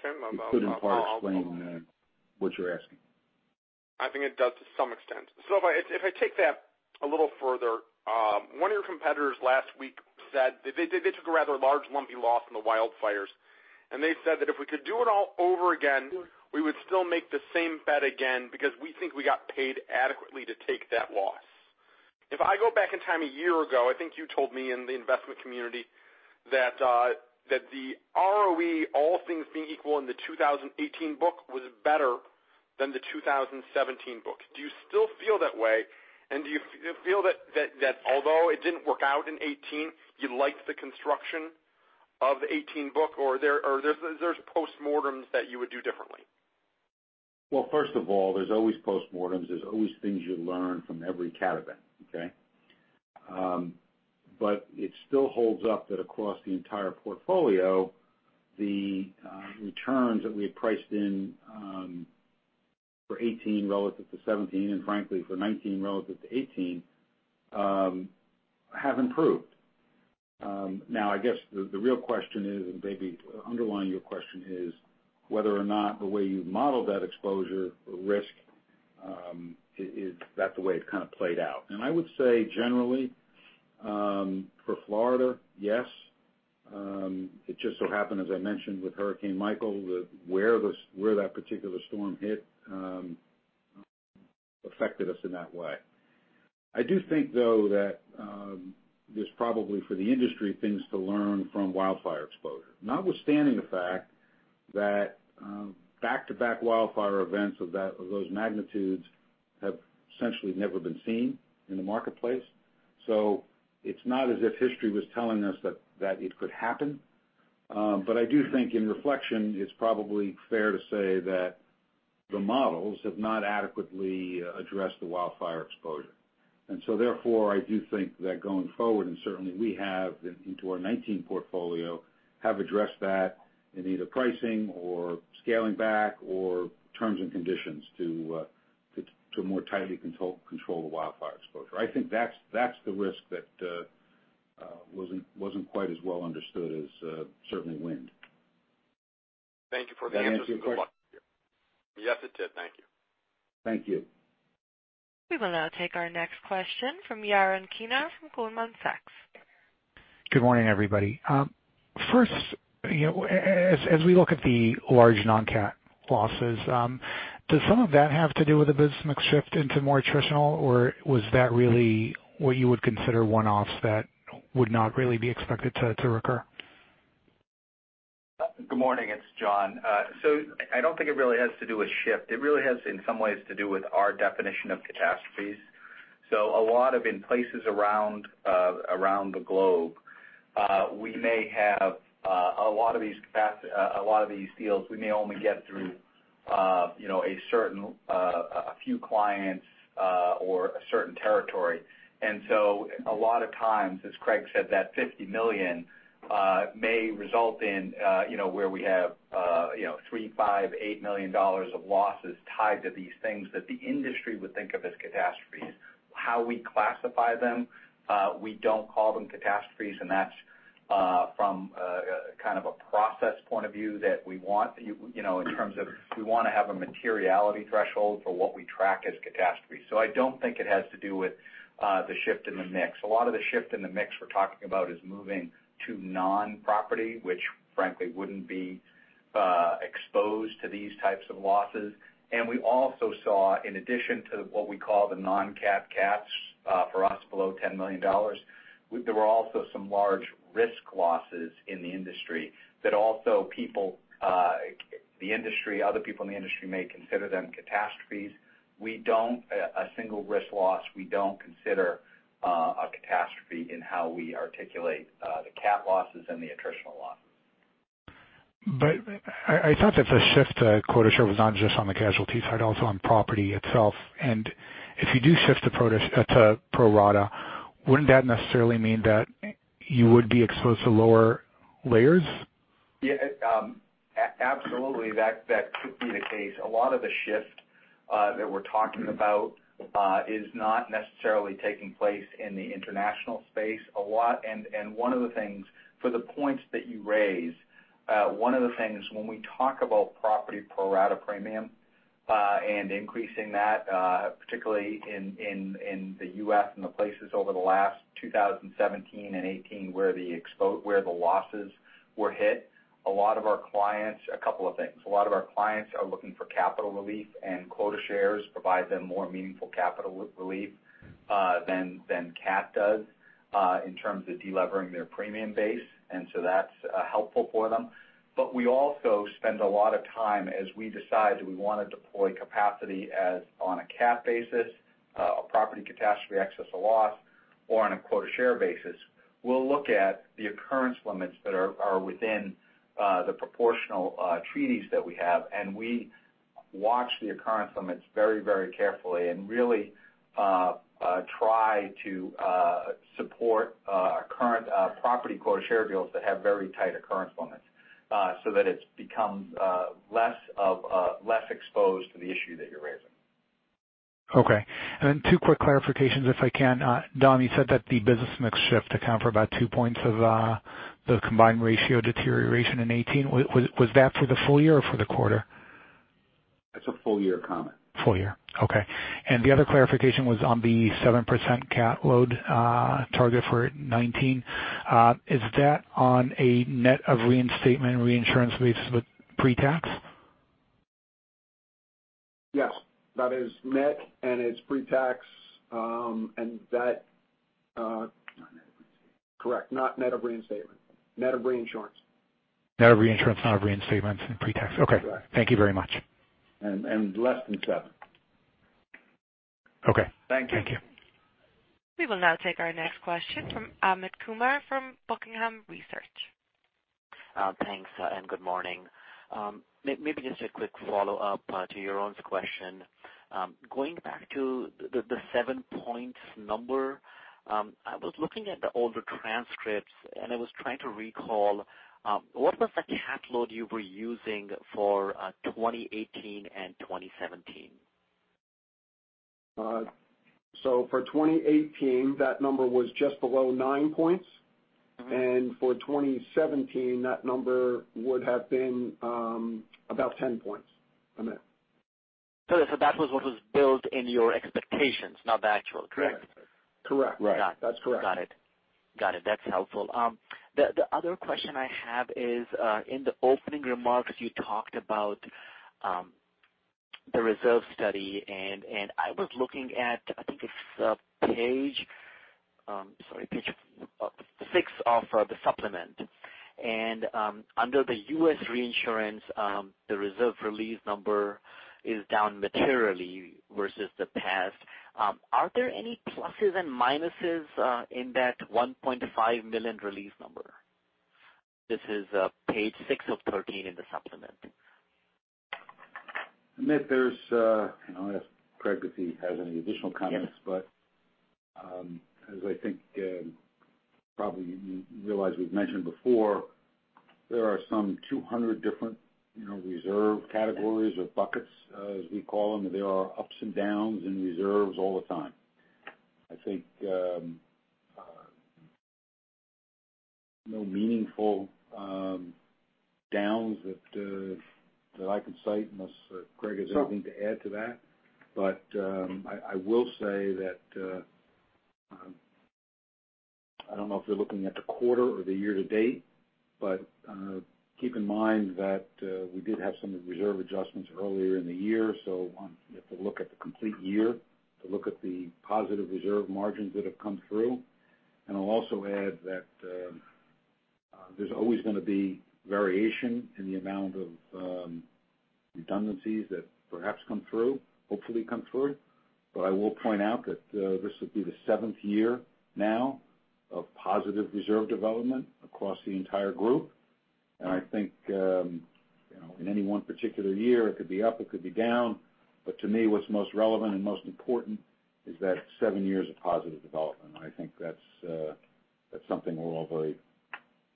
It could in part explain what you're asking. I think it does to some extent. If I take that a little further, one of your competitors last week said they took a rather large lumpy loss in the wildfires, and they said that if we could do it all over again, we would still make the same bet again because we think we got paid adequately to take that loss. If I go back in time a year ago, I think you told me in the investment community that the ROE, all things being equal in the 2018 book was better than the 2017 book. Do you still feel that way? Do you feel that although it didn't work out in 2018, you liked the construction of the 2018 book, or there's postmortems that you would do differently? First of all, there's always postmortems. There's always things you learn from every cat event. Okay. It still holds up that across the entire portfolio, the returns that we had priced in for 2018 relative to 2017, frankly for 2019 relative to 2018, have improved. I guess the real question is, maybe underlying your question is whether or not the way you've modeled that exposure or risk is that the way it kind of played out. I would say generally, for Florida, yes. It just so happened, as I mentioned with Hurricane Michael, that where that particular storm hit affected us in that way. I do think, though, that there's probably for the industry things to learn from wildfire exposure, notwithstanding the fact that back-to-back wildfire events of those magnitudes have essentially never been seen in the marketplace. It's not as if history was telling us that it could happen. I do think in reflection, it's probably fair to say that the models have not adequately addressed the wildfire exposure. Therefore, I do think that going forward, certainly we have into our 2019 portfolio, have addressed that in either pricing or scaling back or terms and conditions to more tightly control the wildfire exposure. I think that's the risk that wasn't quite as well understood as certainly wind. Thank you for the answer. Does that answer your question? Yes, it did. Thank you. Thank you. We will now take our next question from Yaron Kinar from Goldman Sachs. Good morning, everybody. First, as we look at the large non-cat losses, does some of that have to do with the business mix shift into more traditional, or was that really what you would consider one-offs that would not really be expected to recur? Good morning. It's John. I don't think it really has to do with shift. It really has in some ways to do with our definition of catastrophes. A lot of in places around the globe, we may have a lot of these deals we may only get through a few clients or a certain territory. A lot of times, as Craig said, that $50 million may result in where we have $3 million, $5 million, $8 million of losses tied to these things that the industry would think of as catastrophes. How we classify them, we don't call them catastrophes, and that's from kind of a process point of view that we want in terms of we want to have a materiality threshold for what we track as catastrophe. I don't think it has to do with the shift in the mix. A lot of the shift in the mix we're talking about is moving to non-property, which frankly wouldn't be exposed to these types of losses. We also saw, in addition to what we call the non-cat cats, for us below $10 million, there were also some large risk losses in the industry that also the industry, other people in the industry may consider them catastrophes. A single risk loss, we don't consider a catastrophe in how we articulate the cat losses and the attritional losses. I thought that the shift to quota share was not just on the casualty side, also on property itself. If you do shift to pro rata, wouldn't that necessarily mean that you would be exposed to lower layers? Yeah. Absolutely, that could be the case. A lot of the shift that we're talking about is not necessarily taking place in the international space. For the points that you raise, one of the things, when we talk about property pro rata premium, and increasing that, particularly in the U.S. and the places over the last 2017 and 2018 where the losses were hit. A couple of things. A lot of our clients are looking for capital relief. Quota shares provide them more meaningful capital relief, than cat does, in terms of de-levering their premium base. That's helpful for them. We also spend a lot of time as we decide, do we want to deploy capacity as on a cat basis, a property catastrophe excess of loss, or on a quota share basis. We'll look at the occurrence limits that are within the proportional treaties that we have. We watch the occurrence limits very carefully and really try to support our current property quota share deals that have very tight occurrence limits, that it's become less exposed to the issue that you're raising. Okay. Two quick clarifications, if I can. Dom, you said that the business mix shift account for about two points of the combined ratio deterioration in 2018. Was that for the full year or for the quarter? That's a full-year comment. Full year. Okay. The other clarification was on the 7% cat load target for 2019. Is that on a net of reinstatement reinsurance basis with pre-tax? Yes. That is net, and it's pre-tax. Correct, not net of reinstatement. Net of reinsurance. Net of reinsurance, not of reinstatement and pre-tax. Okay. Correct. Thank you very much. less than seven. Okay. Thank you. Thank you. We will now take our next question from Amit Kumar from Buckingham Research. Thanks. Good morning. Maybe just a quick follow-up to Yaron's question. Going back to the 7 points number, I was looking at the older transcripts, I was trying to recall, what was the cat load you were using for 2018 and 2017? For 2018, that number was just below 9 points. For 2017, that number would have been about 10 points, Amit. That was what was built in your expectations, not the actual, correct? Correct. Right. That's correct. Got it. That's helpful. The other question I have is, in the opening remarks, you talked about the reserve study. I was looking at, I think it's page six of the supplement. Under the U.S. reinsurance, the reserve release number is down materially versus the past. Are there any pluses and minuses in that $1.5 million release number? This is page six of 13 in the supplement. Amit, I'll ask Craig if he has any additional comments. Yes. As I think probably you realize we've mentioned before, there are some 200 different reserve categories or buckets, as we call them. There are ups and downs in reserves all the time. I think no meaningful downs that I can cite, unless Craig has anything to add to that. I will say that, I don't know if you're looking at the quarter or the year to date, but keep in mind that we did have some reserve adjustments earlier in the year, you have to look at the complete year to look at the positive reserve margins that have come through. I'll also add that there's always going to be variation in the amount of redundancies that perhaps come through, hopefully come through. I will point out that this will be the seventh year now of positive reserve development across the entire Everest Group. I think in any one particular year, it could be up, it could be down. To me, what's most relevant and most important is that seven years of positive development. I think that's something we're all very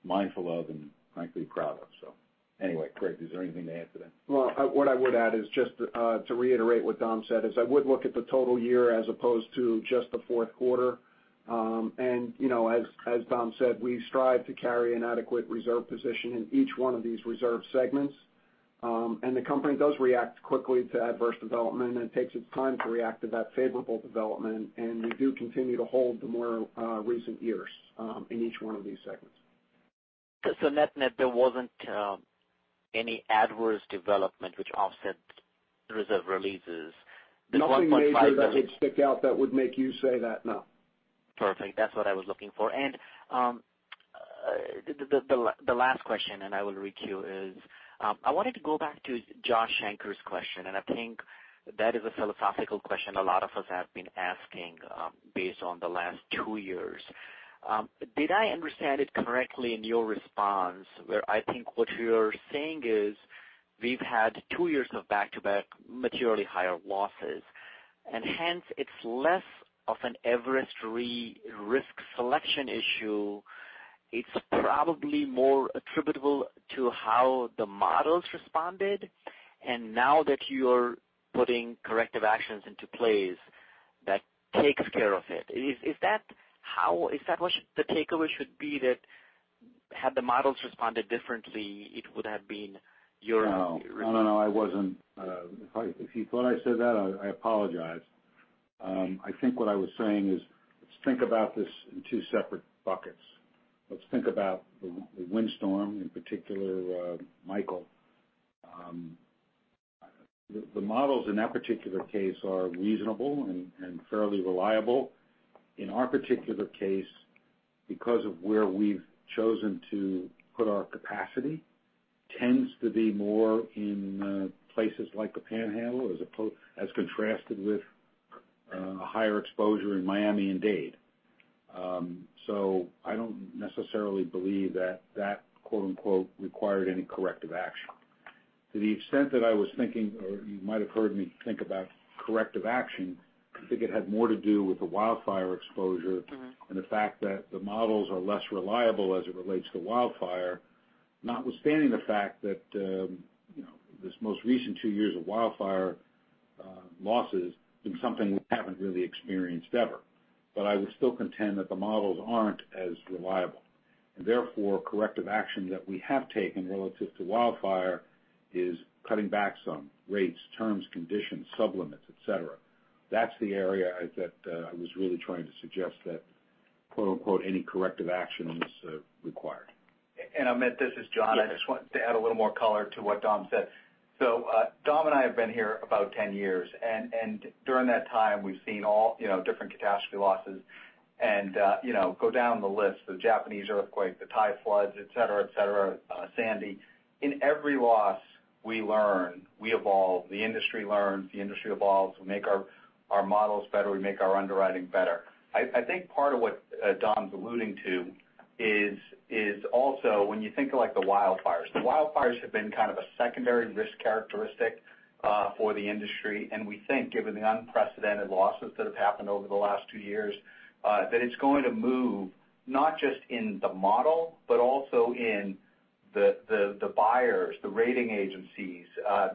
mindful of and frankly proud of. Anyway, Craig, is there anything to add to that? Well, what I would add is just to reiterate what John said, is I would look at the total year as opposed to just the fourth quarter. As John said, we strive to carry an adequate reserve position in each one of these reserve segments. The company does react quickly to adverse development, it takes its time to react to that favorable development, and we do continue to hold the more recent years in each one of these segments. Net-net, there wasn't any adverse development which offset reserve releases. The $1.5 million Nothing major that would stick out that would make you say that, no. Perfect. That's what I was looking for. The last question, I will reach you is, I wanted to go back to Josh Shanker's question, and I think that is a philosophical question a lot of us have been asking based on the last two years. Did I understand it correctly in your response, where I think what you're saying is we've had two years of back-to-back materially higher losses, and hence it's less of an Everest Re-risk selection issue. It's probably more attributable to how the models responded, and now that you're putting corrective actions into place, that takes care of it. Is that what the takeaway should be that had the models responded differently? No. If you thought I said that, I apologize. I think what I was saying is, let's think about this in two separate buckets. Let's think about the windstorm, in particular, Michael. The models in that particular case are reasonable and fairly reliable. In our particular case, because of where we've chosen to put our capacity, tends to be more in places like the Panhandle as contrasted with a higher exposure in Miami and Dade. I don't necessarily believe that quote unquote, "Required any corrective action." To the extent that I was thinking, or you might have heard me think about corrective action, I think it had more to do with the wildfire exposure and the fact that the models are less reliable as it relates to wildfire, notwithstanding the fact that this most recent two years of wildfire losses been something we haven't really experienced ever. I would still contend that the models aren't as reliable, and therefore, corrective action that we have taken relative to wildfire is cutting back some rates, terms, conditions, sub-limits, et cetera. That's the area that I was really trying to suggest that quote unquote, "Any corrective action is required. Amit, this is John. Yes. I just wanted to add a little more color to what Dom said. Dom and I have been here about 10 years, and during that time we've seen all different catastrophe losses and go down the list, the Japanese earthquake, the Thai floods, et cetera. Sandy. In every loss we learn, we evolve, the industry learns, the industry evolves. We make our models better, we make our underwriting better. I think part of what Dom's alluding to is also when you think of the wildfires. The wildfires have been kind of a secondary risk characteristic for the industry, and we think given the unprecedented losses that have happened over the last two years, that it's going to move not just in the model, but also in the buyers, the rating agencies,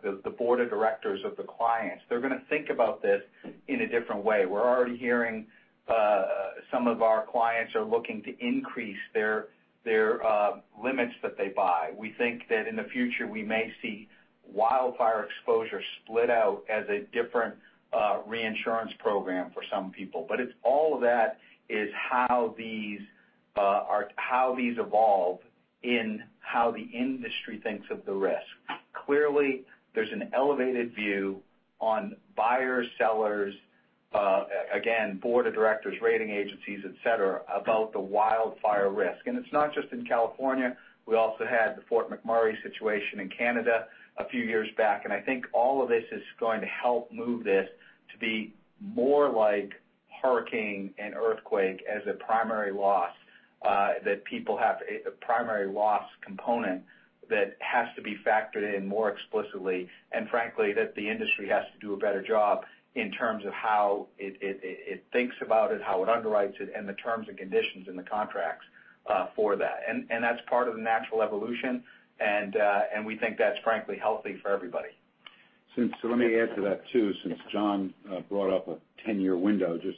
the board of directors of the clients. They're going to think about this in a different way. We're already hearing some of our clients are looking to increase their limits that they buy. We think that in the future we may see wildfire exposure split out as a different reinsurance program for some people. All of that is how these evolve in how the industry thinks of the risk. Clearly, there's an elevated view on buyers, sellers, again, board of directors, rating agencies, et cetera, about the wildfire risk. It's not just in California. We also had the Fort McMurray situation in Canada a few years back, I think all of this is going to help move this to be more like hurricane and earthquake as a primary loss, that people have a primary loss component that has to be factored in more explicitly, frankly, that the industry has to do a better job in terms of how it thinks about it, how it underwrites it, the terms and conditions in the contracts for that. That's part of the natural evolution, we think that's frankly healthy for everybody. Let me add to that too, since John brought up a 10-year window, just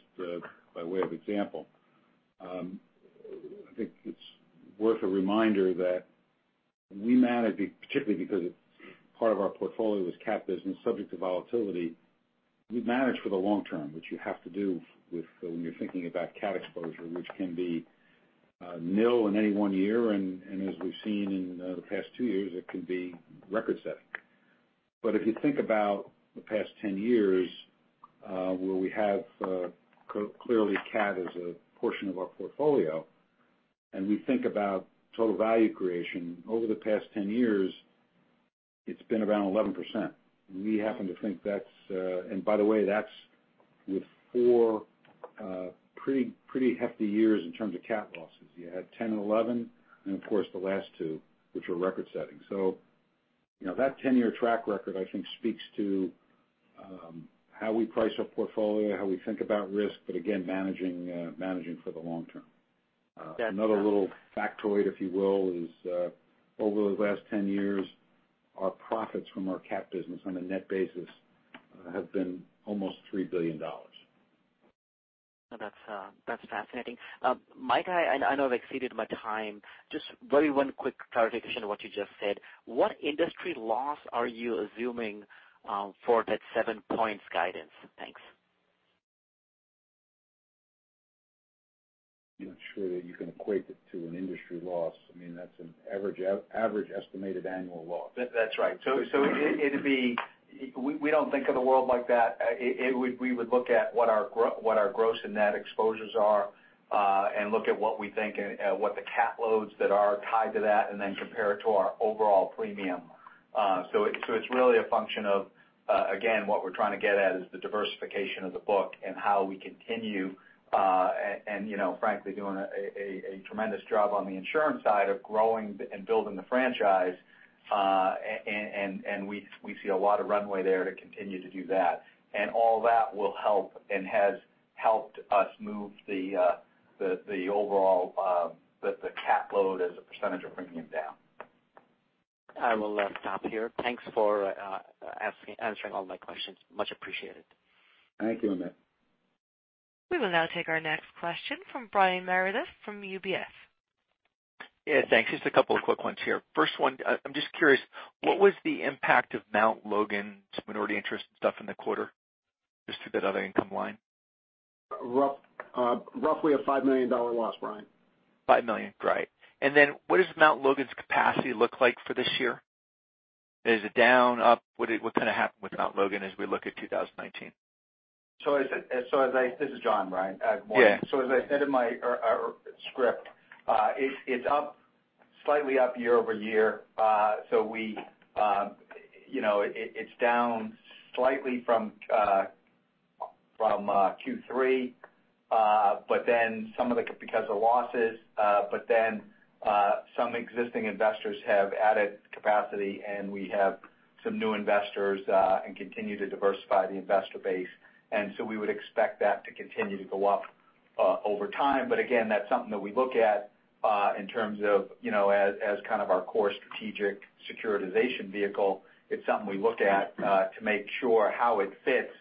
by way of example. I think it's worth a reminder that we manage, particularly because part of our portfolio is cat business, subject to volatility, we manage for the long term, which you have to do when you're thinking about cat exposure, which can be nil in any one year, and as we've seen in the past two years, it can be record-setting. If you think about the past 10 years where we have clearly cat as a portion of our portfolio, and we think about total value creation over the past 10 years, it's been around 11%. We happen to think that's, and by the way, that's with four pretty hefty years in terms of cat losses. You had 2010 and 2011, and of course the last two, which were record-setting. That 10-year track record I think speaks to how we price our portfolio, how we think about risk, but again, managing for the long term. Another little factoid, if you will, is over the last 10 years, our profits from our cat business on a net basis have been almost $3 billion. That's fascinating. Mike, I know I've exceeded my time. Just very one quick clarification on what you just said. What industry loss are you assuming for that seven points guidance? Thanks. I'm not sure that you can equate it to an industry loss. That's an average estimated annual loss. That's right. We don't think of the world like that. We would look at what our gross and net exposures are, and look at what we think, and what the cat loads that are tied to that, and then compare it to our overall premium. It's really a function of, again, what we're trying to get at is the diversification of the book and how we continue, and frankly, doing a tremendous job on the insurance side of growing and building the franchise. We see a lot of runway there to continue to do that. All that will help and has helped us move the overall cat load as a percentage of premium down. I will stop here. Thanks for answering all my questions. Much appreciated. Thank you, Amit. We will now take our next question from Brian Meredith from UBS. Yeah, thanks. Just a couple of quick ones here. First one, I am just curious, what was the impact of Mt. Logan's minority interest and stuff in the quarter? Just to that other income line. Roughly a $5 million loss, Brian. $5 million. Right. What does Mt. Logan's capacity look like for this year? Is it down, up? What is going to happen with Mt. Logan as we look at 2019? This is John, Brian, good morning. Yeah. As I said in our script, it's slightly up year-over-year. It's down slightly from Q3 because of losses. Some existing investors have added capacity, and we have some new investors, and continue to diversify the investor base. We would expect that to continue to go up over time. Again, that's something that we look at in terms of as kind of our core strategic securitization vehicle. It's something we look at to make sure how it fits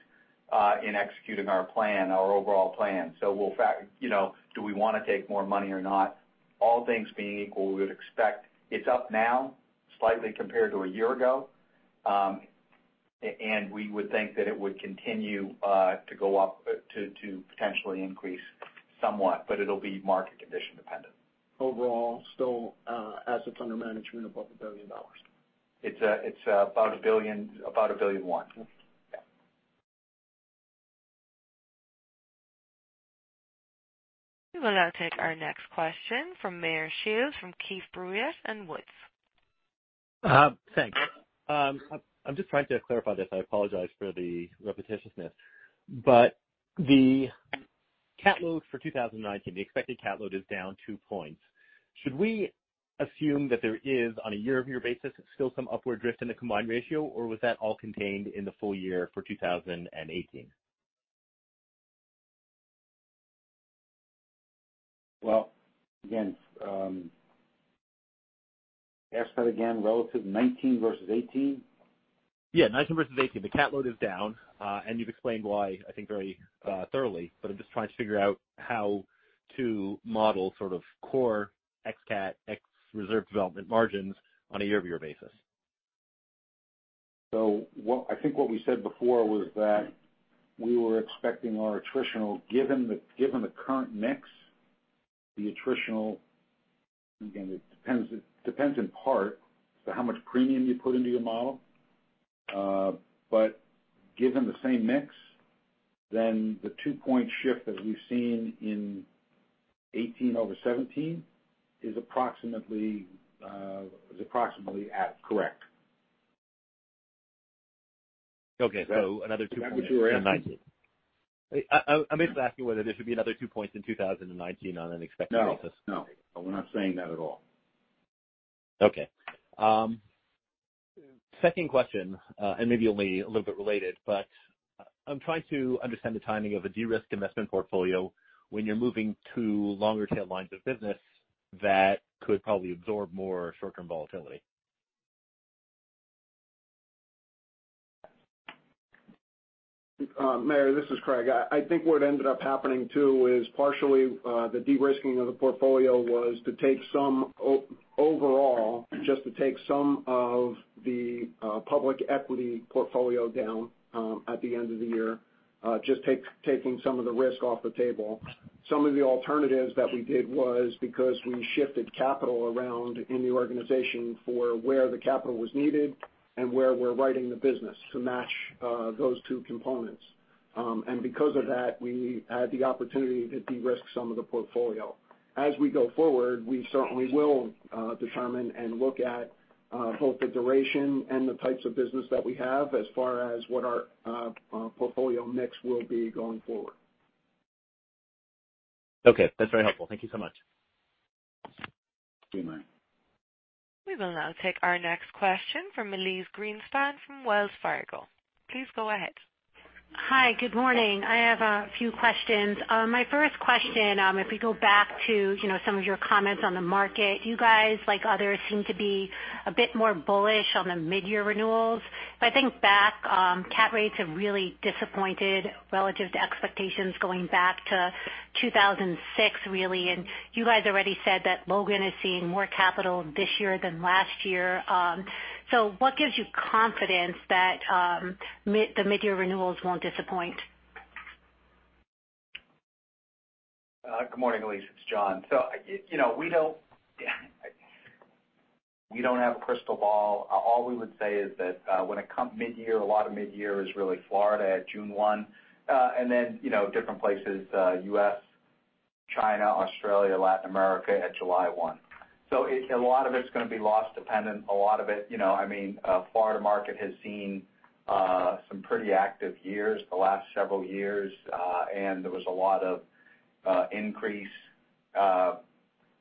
in executing our plan, our overall plan. Do we want to take more money or not? All things being equal, we would expect it's up now slightly compared to a year ago. We would think that it would continue to go up to potentially increase somewhat, but it'll be market condition dependent. Overall, still assets under management above $1 billion. It's about $1.1 billion. Yeah. We will now take our next question from Meyer Shields from Keefe, Bruyette & Woods. Thanks. I'm just trying to clarify this. I apologize for the repetitiousness. The cat load for 2019, the expected cat load is down two points. Should we assume that there is, on a year-over-year basis, still some upward drift in the combined ratio, or was that all contained in the full year for 2018? Again, ask that again, relative to 2019 versus 2018? 2019 versus 2018. The cat load is down. You've explained why, I think, very thoroughly, I'm just trying to figure out how to model sort of core X cat, X reserve development margins on a year-over-year basis. I think what we said before was that we were expecting our attritional, given the current mix. The attritional, again, it depends in part to how much premium you put into your model. Given the same mix, the two-point shift that we've seen in 2018 over 2017 is approximately correct. Okay. another two points in 2019. Is that what you were asking? I'm basically asking whether there should be another two points in 2019 on an expected basis. No. We're not saying that at all. Okay. Second question, maybe only a little bit related, but I'm trying to understand the timing of a de-risk investment portfolio when you're moving to longer tail lines of business that could probably absorb more short-term volatility. Meyer, this is Craig. I think what ended up happening too is partially the de-risking of the portfolio was to take some overall, just to take some of the public equity portfolio down at the end of the year, just taking some of the risk off the table. Some of the alternatives that we did was because we shifted capital around in the organization for where the capital was needed and where we're writing the business to match those two components. Because of that, we had the opportunity to de-risk some of the portfolio. As we go forward, we certainly will determine and look at both the duration and the types of business that we have as far as what our portfolio mix will be going forward. Okay. That's very helpful. Thank you so much. Thank you, Meyer. We will now take our next question from Elyse Greenspan from Wells Fargo. Please go ahead. Hi. Good morning. I have a few questions. My first question, if we go back to some of your comments on the market, you guys, like others, seem to be a bit more bullish on the mid-year renewals. If I think back, cat rates have really disappointed relative to expectations going back to 2006, really, and you guys already said that Logan is seeing more capital this year than last year. What gives you confidence that the mid-year renewals won't disappoint? Good morning, Elyse, it's John. We don't have a crystal ball. All we would say is that when it comes mid-year, a lot of mid-year is really Florida at June 1, and then different places, U.S., China, Australia, Latin America at July 1. A lot of it's going to be loss dependent. A lot of it, Florida market has seen some pretty active years the last several years. There was a lot of increase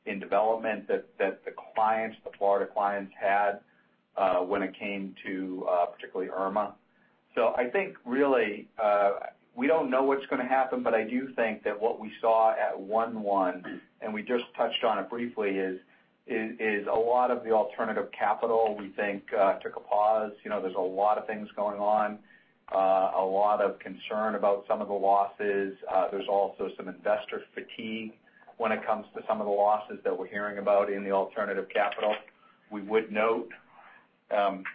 in development that the clients, the Florida clients had, when it came to particularly Irma. I think really, we don't know what's going to happen, but I do think that what we saw at 1/1, and we just touched on it briefly, is a lot of the alternative capital we think took a pause. There's a lot of things going on, a lot of concern about some of the losses. There's also some investor fatigue when it comes to some of the losses that we're hearing about in the alternative capital. We would note that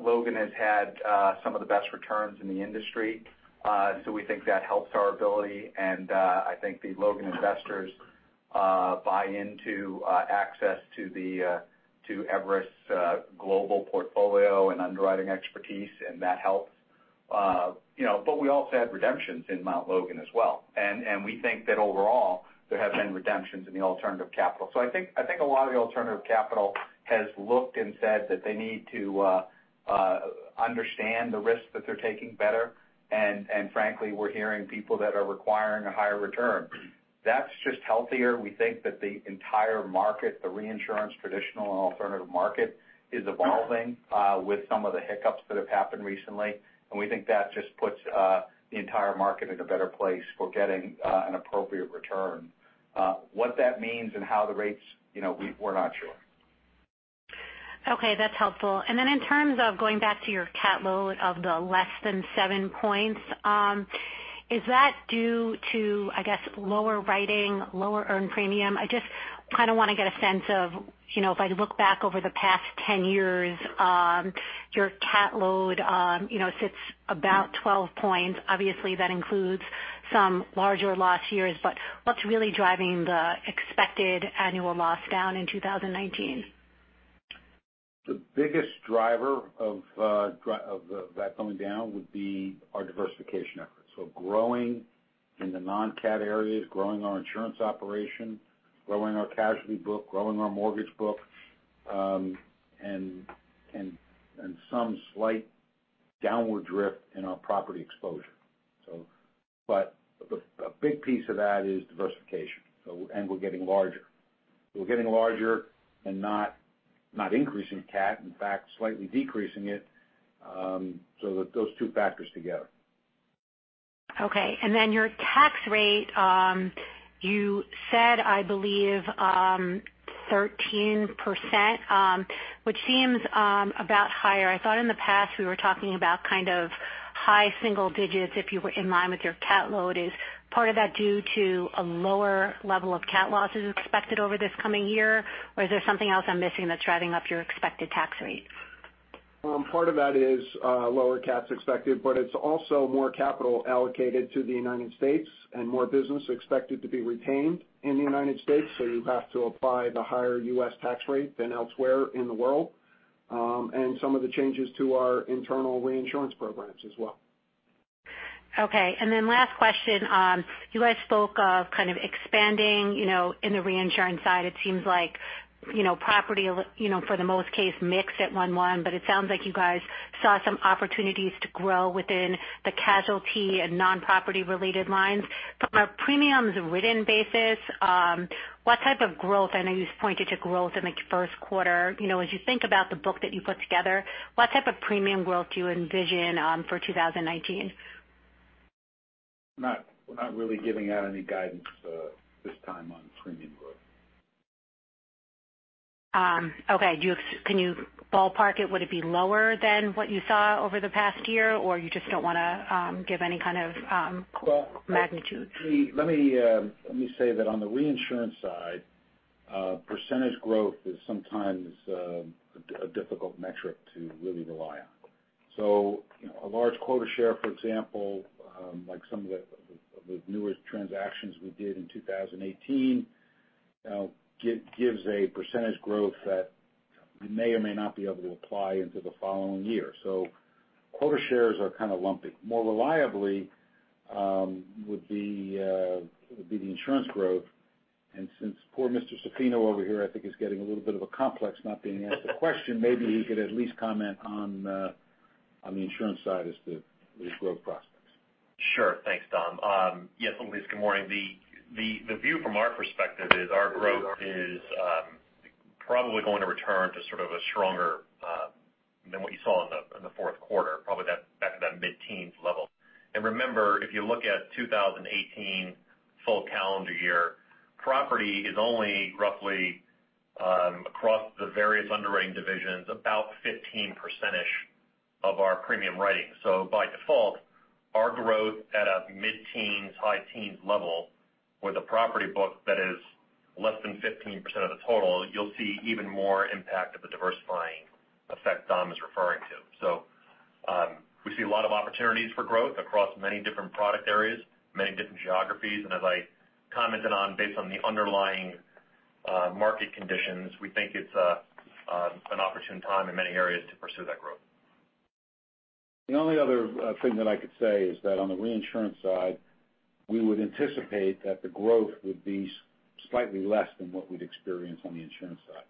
Logan has had some of the best returns in the industry. We think that helps our ability, and I think the Logan investors buy into access to Everest Re Group's global portfolio and underwriting expertise, and that helps. We also had redemptions in Mt. Logan Re Ltd. as well, and we think that overall there have been redemptions in the alternative capital. I think a lot of the alternative capital has looked and said that they need to understand the risks that they're taking better, and frankly, we're hearing people that are requiring a higher return. That's just healthier. We think that the entire market, the reinsurance, traditional and alternative market, is evolving with some of the hiccups that have happened recently. We think that just puts the entire market in a better place for getting an appropriate return. What that means and how the rates, we're not sure. Okay, that's helpful. Then in terms of going back to your cat load of the less than seven points, is that due to, I guess, lower writing, lower earned premium? I just kind of want to get a sense of if I look back over the past 10 years, your cat load sits about 12 points. Obviously, that includes some larger loss years, but what's really driving the expected annual loss down in 2019? The biggest driver of that coming down would be our diversification efforts. Growing in the non-cat areas, growing our insurance operation, growing our casualty book, growing our mortgage book, and some slight downward drift in our property exposure. A big piece of that is diversification. We're getting larger. We're getting larger not increasing cat, in fact, slightly decreasing it, so those two factors together. Okay. Then your tax rate, you said, I believe, 13%, which seems about higher. I thought in the past, we were talking about kind of high single digits if you were in line with your cat load. Is part of that due to a lower level of cat losses expected over this coming year? Is there something else I'm missing that's driving up your expected tax rate? Part of that is lower CATs expected, but it's also more capital allocated to the U.S. and more business expected to be retained in the U.S., so you have to apply the higher U.S. tax rate than elsewhere in the world. Some of the changes to our internal reinsurance programs as well. Okay. Last question. You guys spoke of kind of expanding in the reinsurance side. It seems like property for the most case mixed at 1/1, but it sounds like you guys saw some opportunities to grow within the casualty and non-property related lines. From a premiums written basis, what type of growth, I know you've pointed to growth in the first quarter. As you think about the book that you put together, what type of premium growth do you envision for 2019? We're not really giving out any guidance this time on premium growth. Okay. Can you ballpark it? Would it be lower than what you saw over the past year, or you just don't want to give any kind of magnitude? Let me say that on the reinsurance side, percentage growth is sometimes a difficult metric to really rely on. A large quota share, for example, like some of the newest transactions we did in 2018 gives a percentage growth that we may or may not be able to apply into the following year. Quota shares are kind of lumpy. More reliably would be the insurance growth Since poor Mr. Zaffino over here I think is getting a little bit of a complex not being asked a question, maybe he could at least comment on the insurance side as to the growth prospects. Sure. Thanks, Dom. Yes, Elyse, good morning. The view from our perspective is our growth is probably going to return to sort of stronger than what you saw in the fourth quarter, probably back to that mid-teens level. Remember, if you look at 2018 full calendar year, property is only roughly, across the various underwriting divisions, about 15%-ish of our premium writing. By default, our growth at a mid-teens, high-teens level, with a property book that is less than 15% of the total, you'll see even more impact of the diversifying effect Dom is referring to. We see a lot of opportunities for growth across many different product areas, many different geographies. As I commented on, based on the underlying market conditions, we think it's an opportune time in many areas to pursue that growth. The only other thing that I could say is that on the reinsurance side, we would anticipate that the growth would be slightly less than what we'd experience on the insurance side.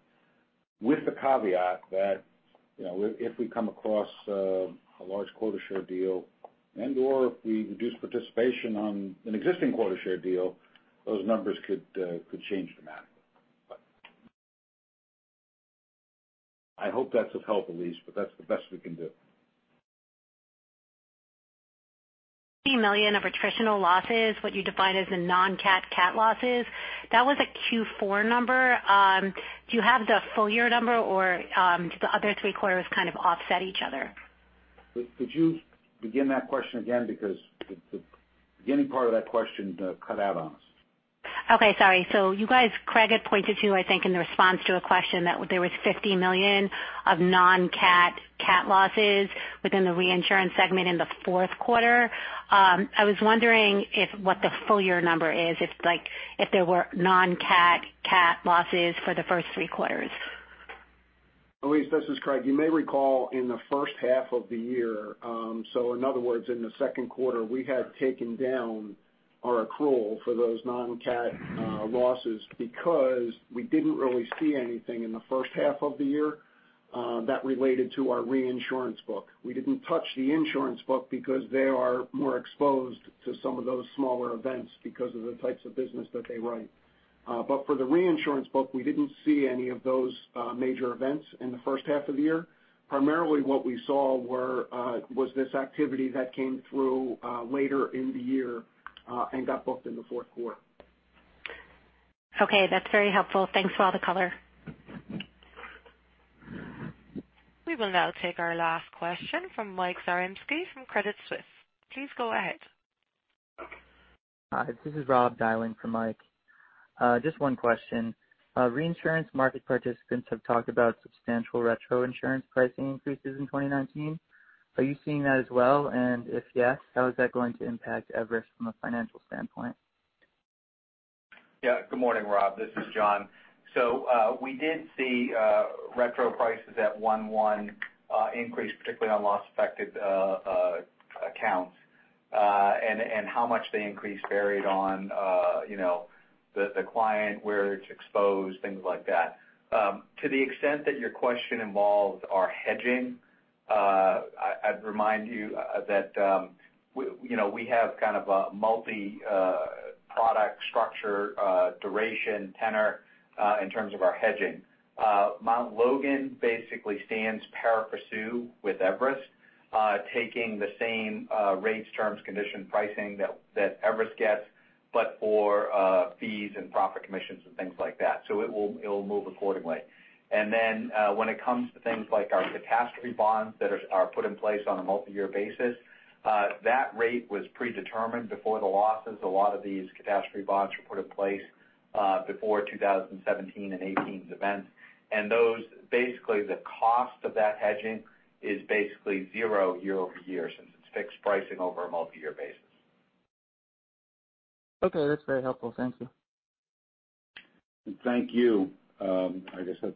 With the caveat that if we come across a large quota share deal and/or if we reduce participation on an existing quota share deal, those numbers could change dramatically. I hope that's of help, Elyse, but that's the best we can do. million of attritional losses, what you define as the non-cat, cat losses. That was a Q4 number. Do you have the full year number, or do the other three quarters kind of offset each other? Could you begin that question again? Because the beginning part of that question cut out on us. Okay. Sorry. You guys, Craig had pointed to, I think in the response to a question, that there was $50 million of non-cat cat losses within the reinsurance segment in the fourth quarter. I was wondering what the full year number is, if there were non-cat cat losses for the first three quarters. Elyse, this is Craig. You may recall in the first half of the year, in other words, in the second quarter, we had taken down our accrual for those non-cat losses because we didn't really see anything in the first half of the year that related to our reinsurance book. We didn't touch the insurance book because they are more exposed to some of those smaller events because of the types of business that they write. For the reinsurance book, we didn't see any of those major events in the first half of the year. Primarily what we saw was this activity that came through later in the year and got booked in the fourth quarter. Okay, that's very helpful. Thanks for all the color. We will now take our last question from Mike Zaremski from Credit Suisse. Please go ahead. Hi, this is Rob dialing for Mike. Just one question. Reinsurance market participants have talked about substantial retro insurance pricing increases in 2019. Are you seeing that as well? If yes, how is that going to impact Everest from a financial standpoint? Yeah. Good morning, Rob. This is John. We did see retro prices at 1/1 increase, particularly on loss-affected accounts. How much they increased varied on the client, where it's exposed, things like that. To the extent that your question involves our hedging, I'd remind you that we have kind of a multi-product structure, duration, tenor in terms of our hedging. Mt. Logan basically stands pari passu with Everest, taking the same rates, terms, condition, pricing that Everest gets, but for fees and profit commissions and things like that. It'll move accordingly. When it comes to things like our catastrophe bonds that are put in place on a multi-year basis, that rate was predetermined before the losses. A lot of these catastrophe bonds were put in place before 2017 and 2018's events. The cost of that hedging is basically zero year-over-year since it's fixed pricing over a multi-year basis. Okay. That's very helpful. Thank you. Thank you. I guess that's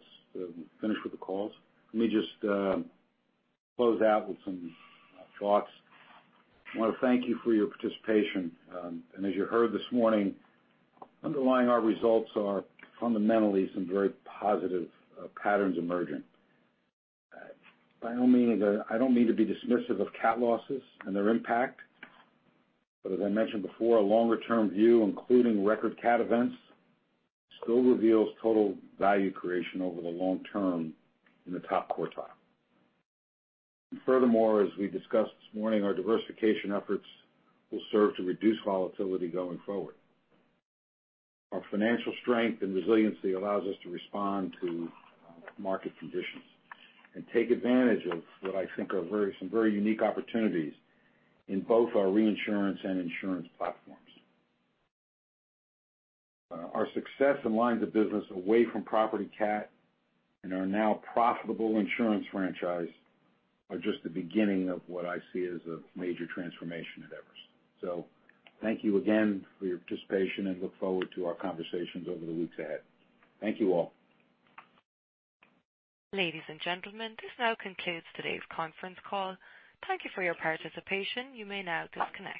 finished with the calls. Let me just close out with some thoughts. I want to thank you for your participation. As you heard this morning, underlying our results are fundamentally some very positive patterns emerging. By all means, I don't mean to be dismissive of cat losses and their impact, but as I mentioned before, a longer-term view, including record cat events, still reveals total value creation over the long term in the top quartile. Furthermore, as we discussed this morning, our diversification efforts will serve to reduce volatility going forward. Our financial strength and resiliency allows us to respond to market conditions and take advantage of what I think are some very unique opportunities in both our reinsurance and insurance platforms. Our success in lines of business away from property cat and our now profitable insurance franchise are just the beginning of what I see as a major transformation at Everest. Thank you again for your participation and look forward to our conversations over the weeks ahead. Thank you all. Ladies and gentlemen, this now concludes today's conference call. Thank you for your participation. You may now disconnect.